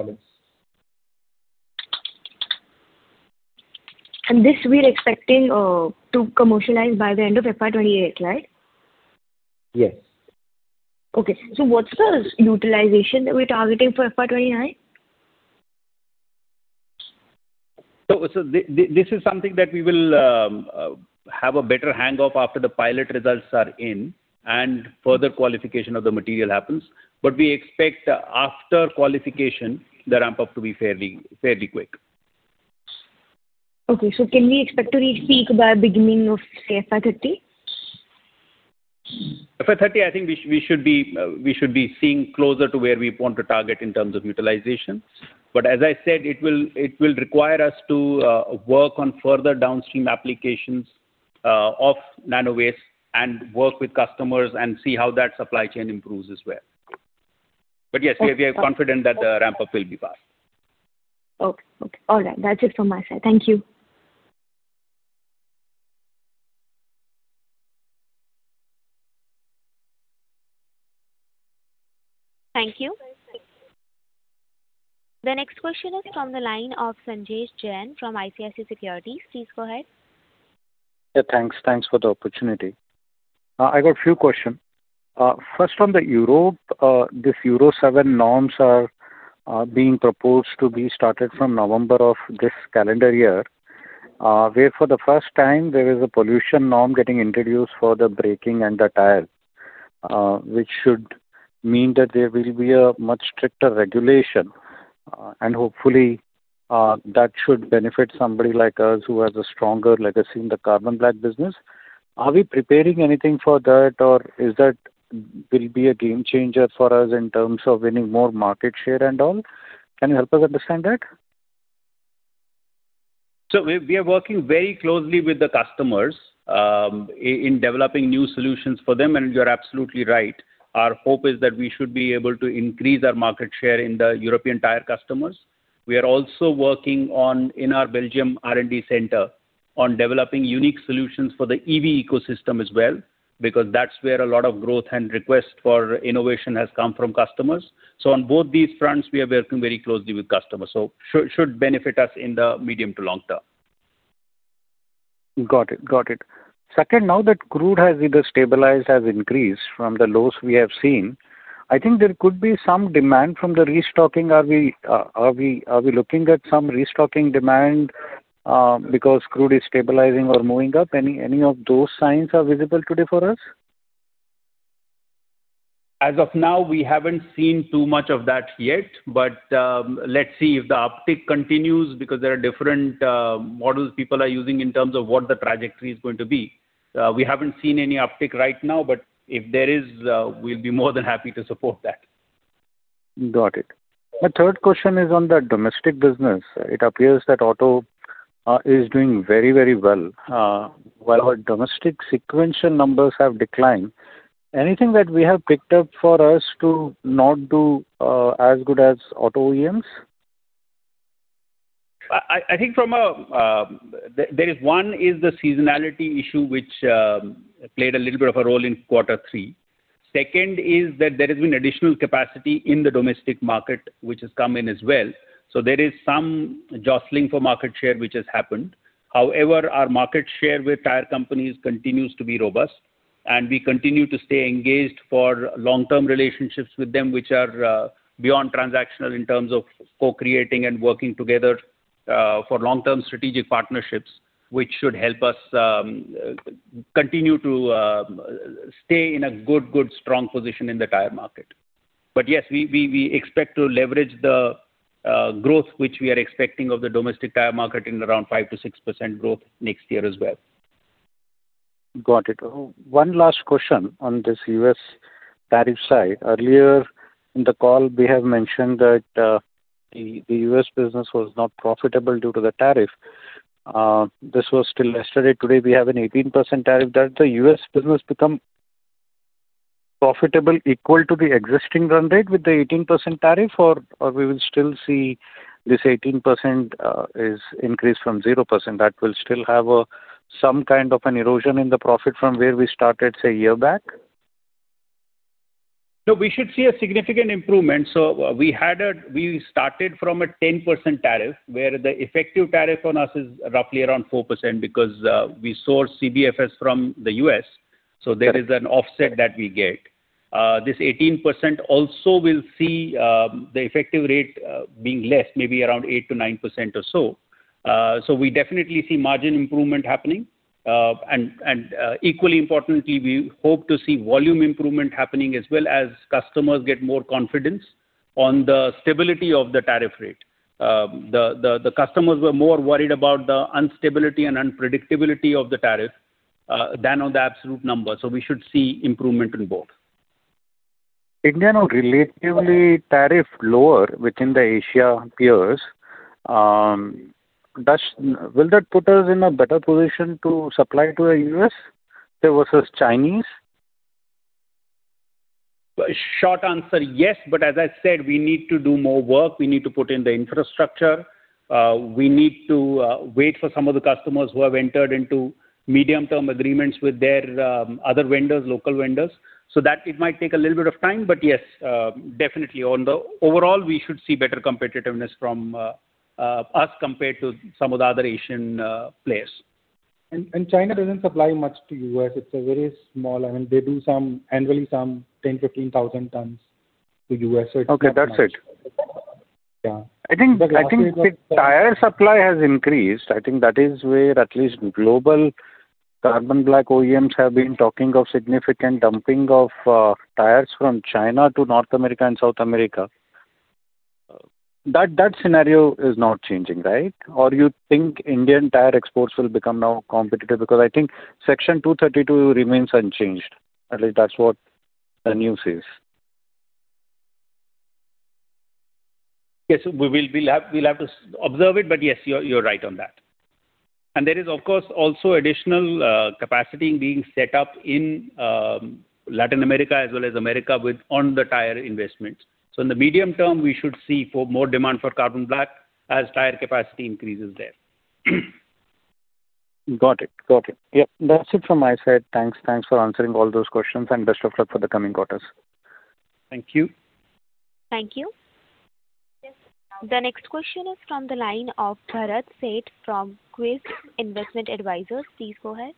This we're expecting to commercialize by the end of FY 2028, right? Yes. Okay. So what's the utilization that we're targeting for FY 2029? So, this is something that we will have a better hang of after the pilot results are in and further qualification of the material happens. But we expect after qualification, the ramp-up to be fairly, fairly quick. Okay. So can we expect to reach peak by beginning of, say, FY 2030? FY 2030, I think we should be seeing closer to where we want to target in terms of utilization. But as I said, it will require us to work on further downstream applications of Nanovace and work with customers and see how that supply chain improves as well. But yes, we are confident that the ramp-up will be fast. Okay. Okay. All right. That's it from my side. Thank you. Thank you. The next question is from the line of Sanjesh Jain from ICICI Securities. Please go ahead. Yeah, thanks. Thanks for the opportunity. I got a few question. First, on the Europe, this Euro 7 norms are being proposed to be started from November of this calendar year, where for the first time, there is a pollution norm getting introduced for the braking and the tires, which should mean that there will be a much stricter regulation. And hopefully, that should benefit somebody like us, who has a stronger legacy in the carbon black business. Are we preparing anything for that, or is that will be a game changer for us in terms of winning more market share and all? Can you help us understand that? So we are working very closely with the customers, in developing new solutions for them, and you're absolutely right. Our hope is that we should be able to increase our market share in the European tire customers. We are also working on in our Belgium R&D center on developing unique solutions for the EV ecosystem as well, because that's where a lot of growth and request for innovation has come from customers. So on both these fronts, we are working very closely with customers, so should benefit us in the medium to long term. Got it. Got it. Second, now that crude has either stabilized or has increased from the lows we have seen, I think there could be some demand from the restocking. Are we, are we, are we looking at some restocking demand, because crude is stabilizing or moving up? Any, any of those signs are visible today for us? As of now, we haven't seen too much of that yet, but, let's see if the uptick continues, because there are different, models people are using in terms of what the trajectory is going to be. We haven't seen any uptick right now, but if there is, we'll be more than happy to support that. Got it. My third question is on the domestic business. It appears that auto is doing very, very well while our domestic sequential numbers have declined. Anything that we have picked up for us to not do as good as auto OEMs? I think from a, there is one, the seasonality issue, which played a little bit of a role in quarter three. Second is that there has been additional capacity in the domestic market, which has come in as well, so there is some jostling for market share, which has happened. However, our market share with tire companies continues to be robust, and we continue to stay engaged for long-term relationships with them, which are beyond transactional in terms of co-creating and working together for long-term strategic partnerships, which should help us continue to stay in a good strong position in the tire market. But yes, we expect to leverage the growth which we are expecting of the domestic tire market in around 5%-6% growth next year as well. Got it. One last question on this U.S. tariff side. Earlier in the call, we have mentioned that, the U.S. business was not profitable due to the tariff. This was till yesterday. Today, we have an 18% tariff. Did the U.S. business become profitable equal to the existing run rate with the 18% tariff, or, or we will still see this 18%, is increased from 0%, that will still have, some kind of an erosion in the profit from where we started, say, a year back? No, we should see a significant improvement. So we started from a 10% tariff, where the effective tariff on us is roughly around 4%, because we source CBFS from the U.S., so there is an offset that we get. This 18% also will see the effective rate being less, maybe around 8%-9% or so. So we definitely see margin improvement happening. And equally importantly, we hope to see volume improvement happening as well as customers get more confidence on the stability of the tariff rate. The customers were more worried about the instability and unpredictability of the tariff than on the absolute number, so we should see improvement in both. India now relatively tariff lower within the Asia peers, will that put us in a better position to supply to the U.S., say, versus Chinese? Short answer, yes. But as I said, we need to do more work. We need to put in the infrastructure. We need to wait for some of the customers who have entered into medium-term agreements with their other vendors, local vendors. So that it might take a little bit of time, but yes, definitely on the-- overall, we should see better competitiveness from us compared to some of the other Asian players. And China doesn't supply much to the U.S. It's a very small, I mean, they do some, annually some 10,000-15,000 tons to the U.S., so it's- Okay, that's it. Yeah. I think, I think the tire supply has increased. I think that is where at least global carbon black OEMs have been talking of significant dumping of tires from China to North America and South America. That, that scenario is not changing, right? Or you think Indian tire exports will become now competitive? Because I think Section 232 remains unchanged. At least that's what the news says. Yes, we will. We'll have to observe it, but yes, you're right on that. And there is, of course, also additional capacity being set up in Latin America as well as America with on the tire investments. So in the medium term, we should see for more demand for carbon black as tire capacity increases there. Got it. Got it. Yep, that's it from my side. Thanks. Thanks for answering all those questions, and best of luck for the coming quarters. Thank you. Thank you. The next question is from the line of Bharat Sheth from Quest Investment Advisors. Please go ahead.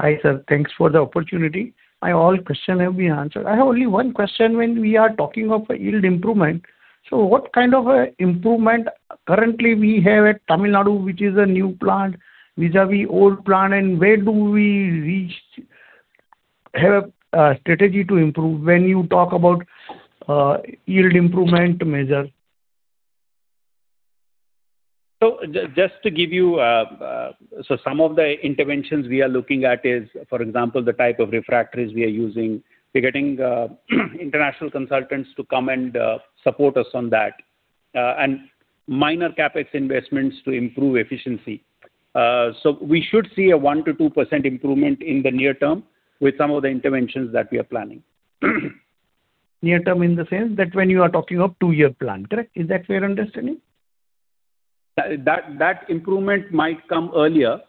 Hi, sir. Thanks for the opportunity. My all question have been answered. I have only one question when we are talking of a yield improvement. So what kind of an improvement currently we have at Tamil Nadu, which is a new plant, vis-à-vis old plant, and where do we reach—have a strategy to improve when you talk about yield improvement measure? So just to give you some of the interventions we are looking at is, for example, the type of refractories we are using. We're getting international consultants to come and support us on that, and minor CapEx investments to improve efficiency. So we should see a 1%-2% improvement in the near term with some of the interventions that we are planning. Near term in the sense that when you are talking of two-year plan, correct? Is that fair understanding? That improvement might come earlier.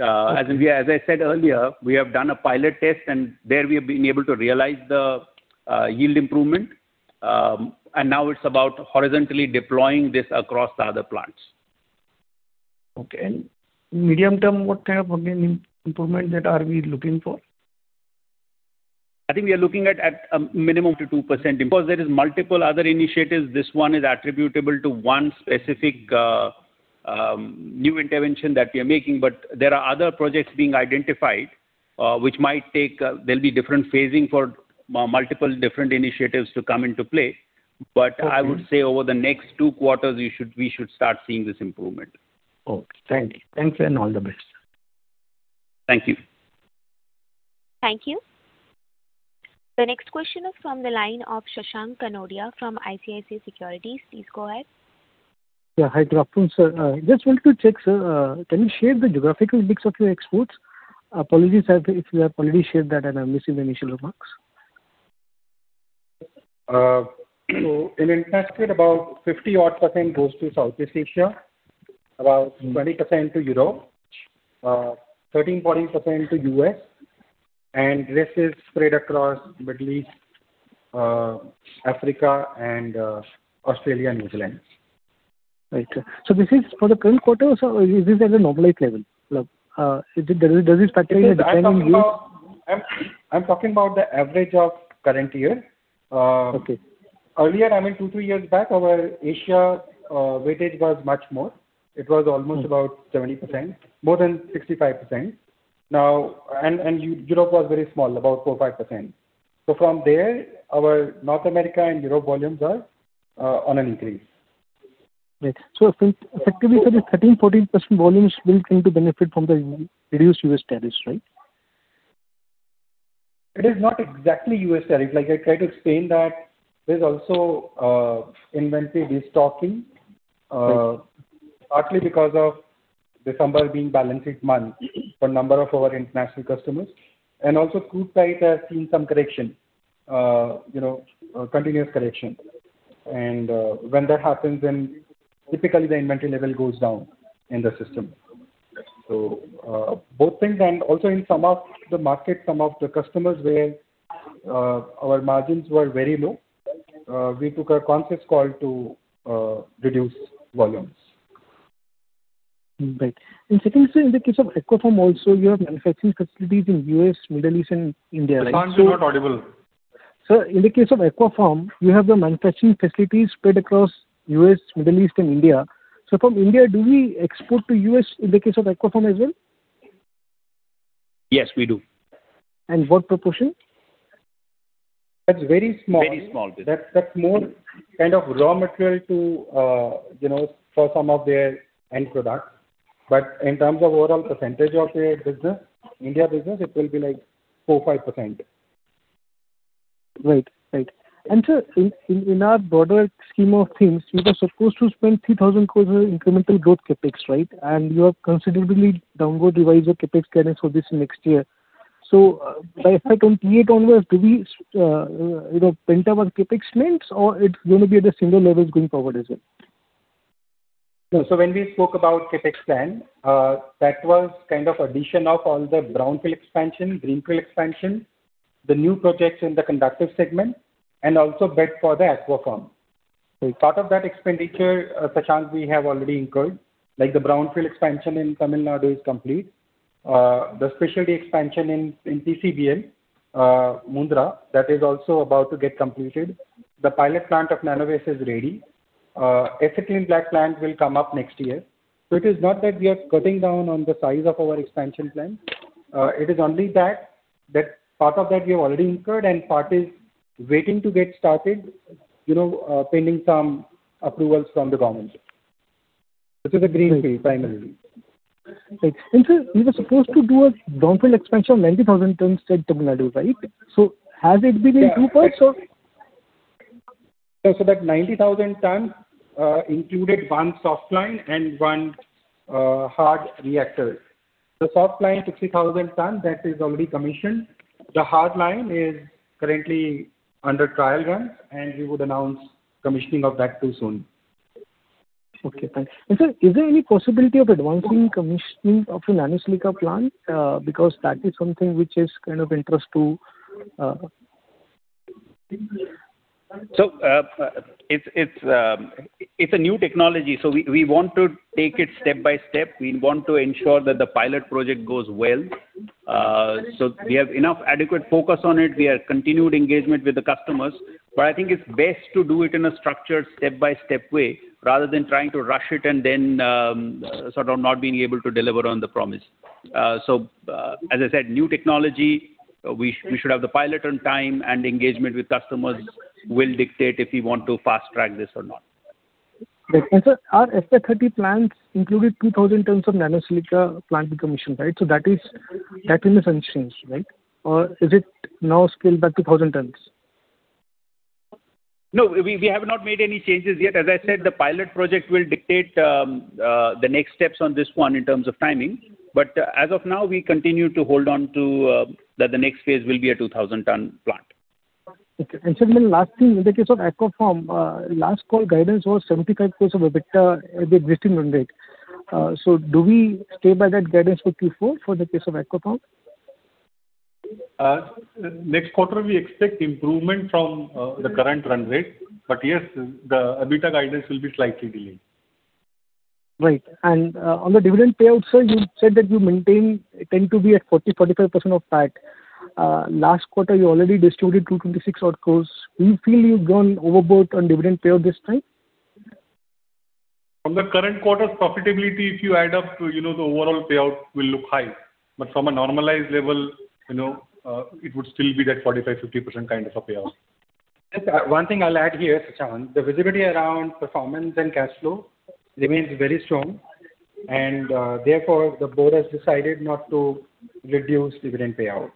Okay. As we, as I said earlier, we have done a pilot test, and there we have been able to realize the yield improvement. And now it's about horizontally deploying this across the other plants. Okay. And medium term, what kind of, again, improvement that are we looking for? I think we are looking at minimum to 2%, because there is multiple other initiatives. This one is attributable to one specific new intervention that we are making. But there are other projects being identified, which might take. There'll be different phasing for multiple different initiatives to come into play. Okay. But I would say over the next two quarters, we should start seeing this improvement. Okay, thank you. Thanks, and all the best. Thank you. Thank you. The next question is from the line of Shashank Kanodia from ICICI Securities. Please go ahead. Yeah. Hi, good afternoon, sir. Just wanted to check, sir, can you share the geographical mix of your exports? Apologies, sir, if you have already shared that, and I missed it in initial remarks. So in international, about 50-odd percent goes to Southeast Asia, about 20% to Europe, 13%-14% to U.S., and rest is spread across Middle East, Africa, and Australia and New Zealand. Right. So this is for the current quarter, sir, is this at a normalized level? Does it, does it factor in the different years? I'm talking about the average of current year. Okay. Earlier, I mean, two years, three years back, our Asia weightage was much more. It was almost about 70%, more than 65%. Now, and Europe was very small, about 4%, 5%. So from there, our North America and Europe volumes are on an increase. Right. So effectively, sir, the 13%-14% volumes will seem to benefit from the reduced U.S. tariffs, right? It is not exactly U.S. tariffs. Like I tried to explain that there's also inventory destocking, partly because of December being balanced month for number of our international customers, and also crude price has seen some correction, you know, continuous correction. When that happens, then typically the inventory level goes down in the system. Both things and also in some of the markets, some of the customers where our margins were very low, we took a conscious call to reduce volumes. Right. And secondly, sir, in the case of Aquapharm also, you have manufacturing facilities in U.S., Middle East, and India, right? Sir, you are not audible. Sir, in the case of Aquapharm, you have the manufacturing facilities spread across U.S., Middle East, and India. So from India, do we export to U.S. in the case of Aquapharm as well? Yes, we do. What proportion? That's very small. Very small business. That's more kind of raw material to, you know, for some of their end products. But in terms of overall percentage of their business, India business, it will be like 4%-5%. Right. Right. And, sir, in our broader scheme of things, you were supposed to spend 3,000 crore in incremental growth CapEx, right? And you have considerably downward revised the CapEx guidance for this next year. So, by FY 2028 onwards, do we, you know, pent up our CapEx needs or it's going to be at a similar levels going forward as well? No. So when we spoke about CapEx plan, that was kind of addition of all the brownfield expansion, greenfield expansion, the new projects in the conductive segment, and also debt for the Aquapharm. So part of that expenditure, Shashank, we have already incurred, like the brownfield expansion in Tamil Nadu is complete. The specialty expansion in PCBL Mundra that is also about to get completed. The pilot plant of Nanovace is ready. The Acetylene Black plant will come up next year. So it is not that we are cutting down on the size of our expansion plan, it is only that part of that we have already incurred and part is waiting to get started, you know, pending some approvals from the government. This is a greenfield, finally. Right. Sir, you were supposed to do a brownfield expansion of 90,000 tons at Tamil Nadu, right? So has it been in throughput or? So, so that 90,000 tons included one soft line and one hard reactor. The soft line, 60,000 tons, that is already commissioned. The hard line is currently under trial runs, and we would announce commissioning of that too soon. Okay, thank you. And sir, is there any possibility of advancing commissioning of the Nano-Silicon plant? Because that is something which is kind of interest to. So, it's a new technology, so we want to take it step by step. We want to ensure that the pilot project goes well. So we have enough adequate focus on it. We have continued engagement with the customers, but I think it's best to do it in a structured, step-by-step way, rather than trying to rush it and then, sort of not being able to deliver on the promise. So, as I said, new technology, we should have the pilot on time, and engagement with customers will dictate if we want to fast-track this or not. Sir, our FY 2030 plans included 2,000 tons of Nano-Silicon plant commission, right? So that is, that remains unchanged, right? Or is it now scaled back to 1,000 tons? No, we have not made any changes yet. As I said, the pilot project will dictate the next steps on this one in terms of timing. But as of now, we continue to hold on to that the next phase will be a 2,000-ton plant. Okay. And sir, then last thing, in the case of Aquapharm, last call guidance was 75% of EBITDA at the existing run rate. So do we stay by that guidance for Q4 for the case of Aquapharm? Next quarter, we expect improvement from the current run rate, but yes, the EBITDA guidance will be slightly delayed. Right. And, on the dividend payout, sir, you said that you maintain, tend to be at 40%-45% of PAT. Last quarter, you already distributed 226 crore odd. Do you feel you've gone overboard on dividend payout this time? From the current quarter's profitability, if you add up to, you know, the overall payout will look high. But from a normalized level, you know, it would still be that 45%-50% kind of a payout. Yes, one thing I'll add here, Shashank, the visibility around performance and cash flow remains very strong, and, therefore, the board has decided not to reduce dividend payout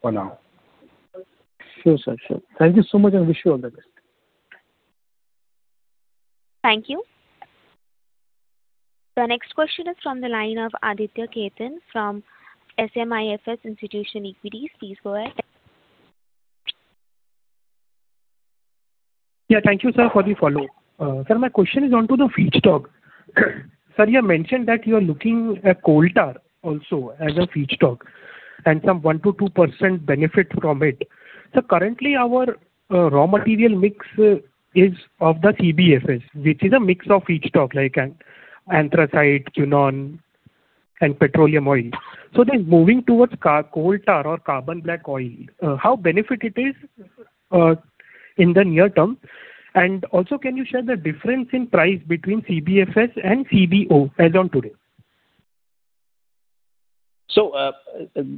for now. Sure, sir. Sure. Thank you so much, and wish you all the best. Thank you. The next question is from the line of Aditya Khetan from SMIFS Institutional Equity. Please go ahead. Yeah, thank you, sir, for the follow. Sir, my question is on to the feedstock. Sir, you have mentioned that you are looking at coal tar also as a feedstock and some 1%-2% benefit from it. Sir, currently, our raw material mix is of the CBFS, which is a mix of feedstock, like an anthracene, coal tar, and petroleum oil. So then moving towards coal tar or carbon black oil, how benefit it is in the near term? And also, can you share the difference in price between CBFS and CBO as on today? So,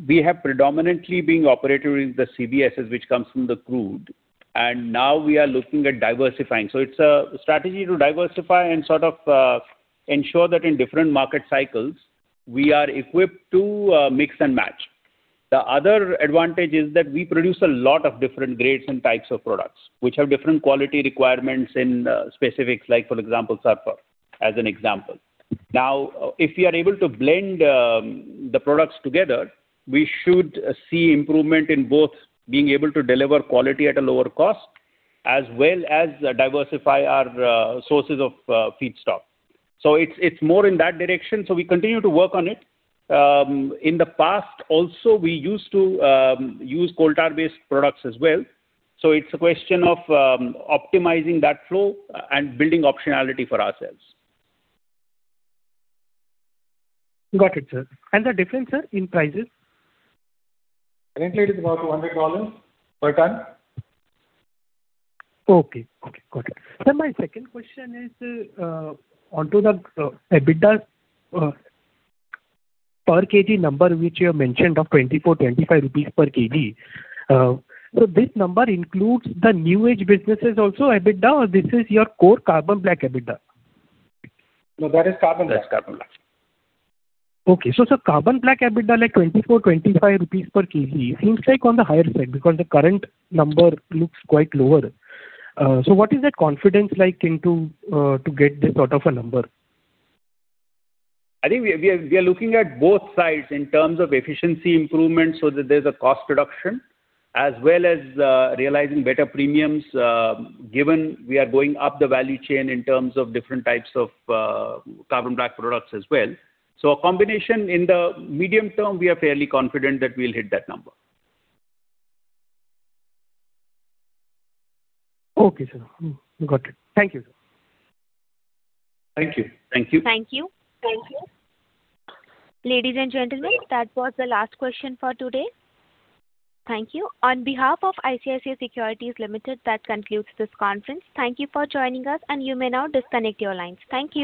we have predominantly been operating with the CBFS, which comes from the crude, and now we are looking at diversifying. So it's a strategy to diversify and sort of ensure that in different market cycles, we are equipped to mix and match. The other advantage is that we produce a lot of different grades and types of products, which have different quality requirements in specifics, like, for example, sulfur, as an example. Now, if we are able to blend the products together, we should see improvement in both being able to deliver quality at a lower cost, as well as diversify our sources of feedstock. So it's more in that direction, so we continue to work on it. In the past also, we used to use coal tar-based products as well, so it's a question of optimizing that flow and building optionality for ourselves. Got it, sir. And the difference, sir, in prices? Currently, it is about $100 per ton. Okay. Okay, got it. Sir, my second question is on to the EBITDA per kg number, which you have mentioned of 24 per kg-INR 25 per kg. So this number includes the new age businesses also, EBITDA, or this is your core carbon black EBITDA? No, that is carbon black. That's carbon black. Okay. So, so carbon black EBITDA, like 24 per kg-INR 25 per kg, seems like on the higher side, because the current number looks quite lower. So what is that confidence like into, to get this sort of a number? I think we are, we are looking at both sides in terms of efficiency improvement, so that there's a cost reduction, as well as, realizing better premiums, given we are going up the value chain in terms of different types of carbon black products as well. So a combination in the medium term, we are fairly confident that we'll hit that number. Okay, sir. Mm-hmm, got it. Thank you, sir. Thank you. Thank you. Thank you. Thank you. Ladies and gentlemen, that was the last question for today. Thank you. On behalf of ICICI Securities Limited, that concludes this conference. Thank you for joining us, and you may now disconnect your lines. Thank you.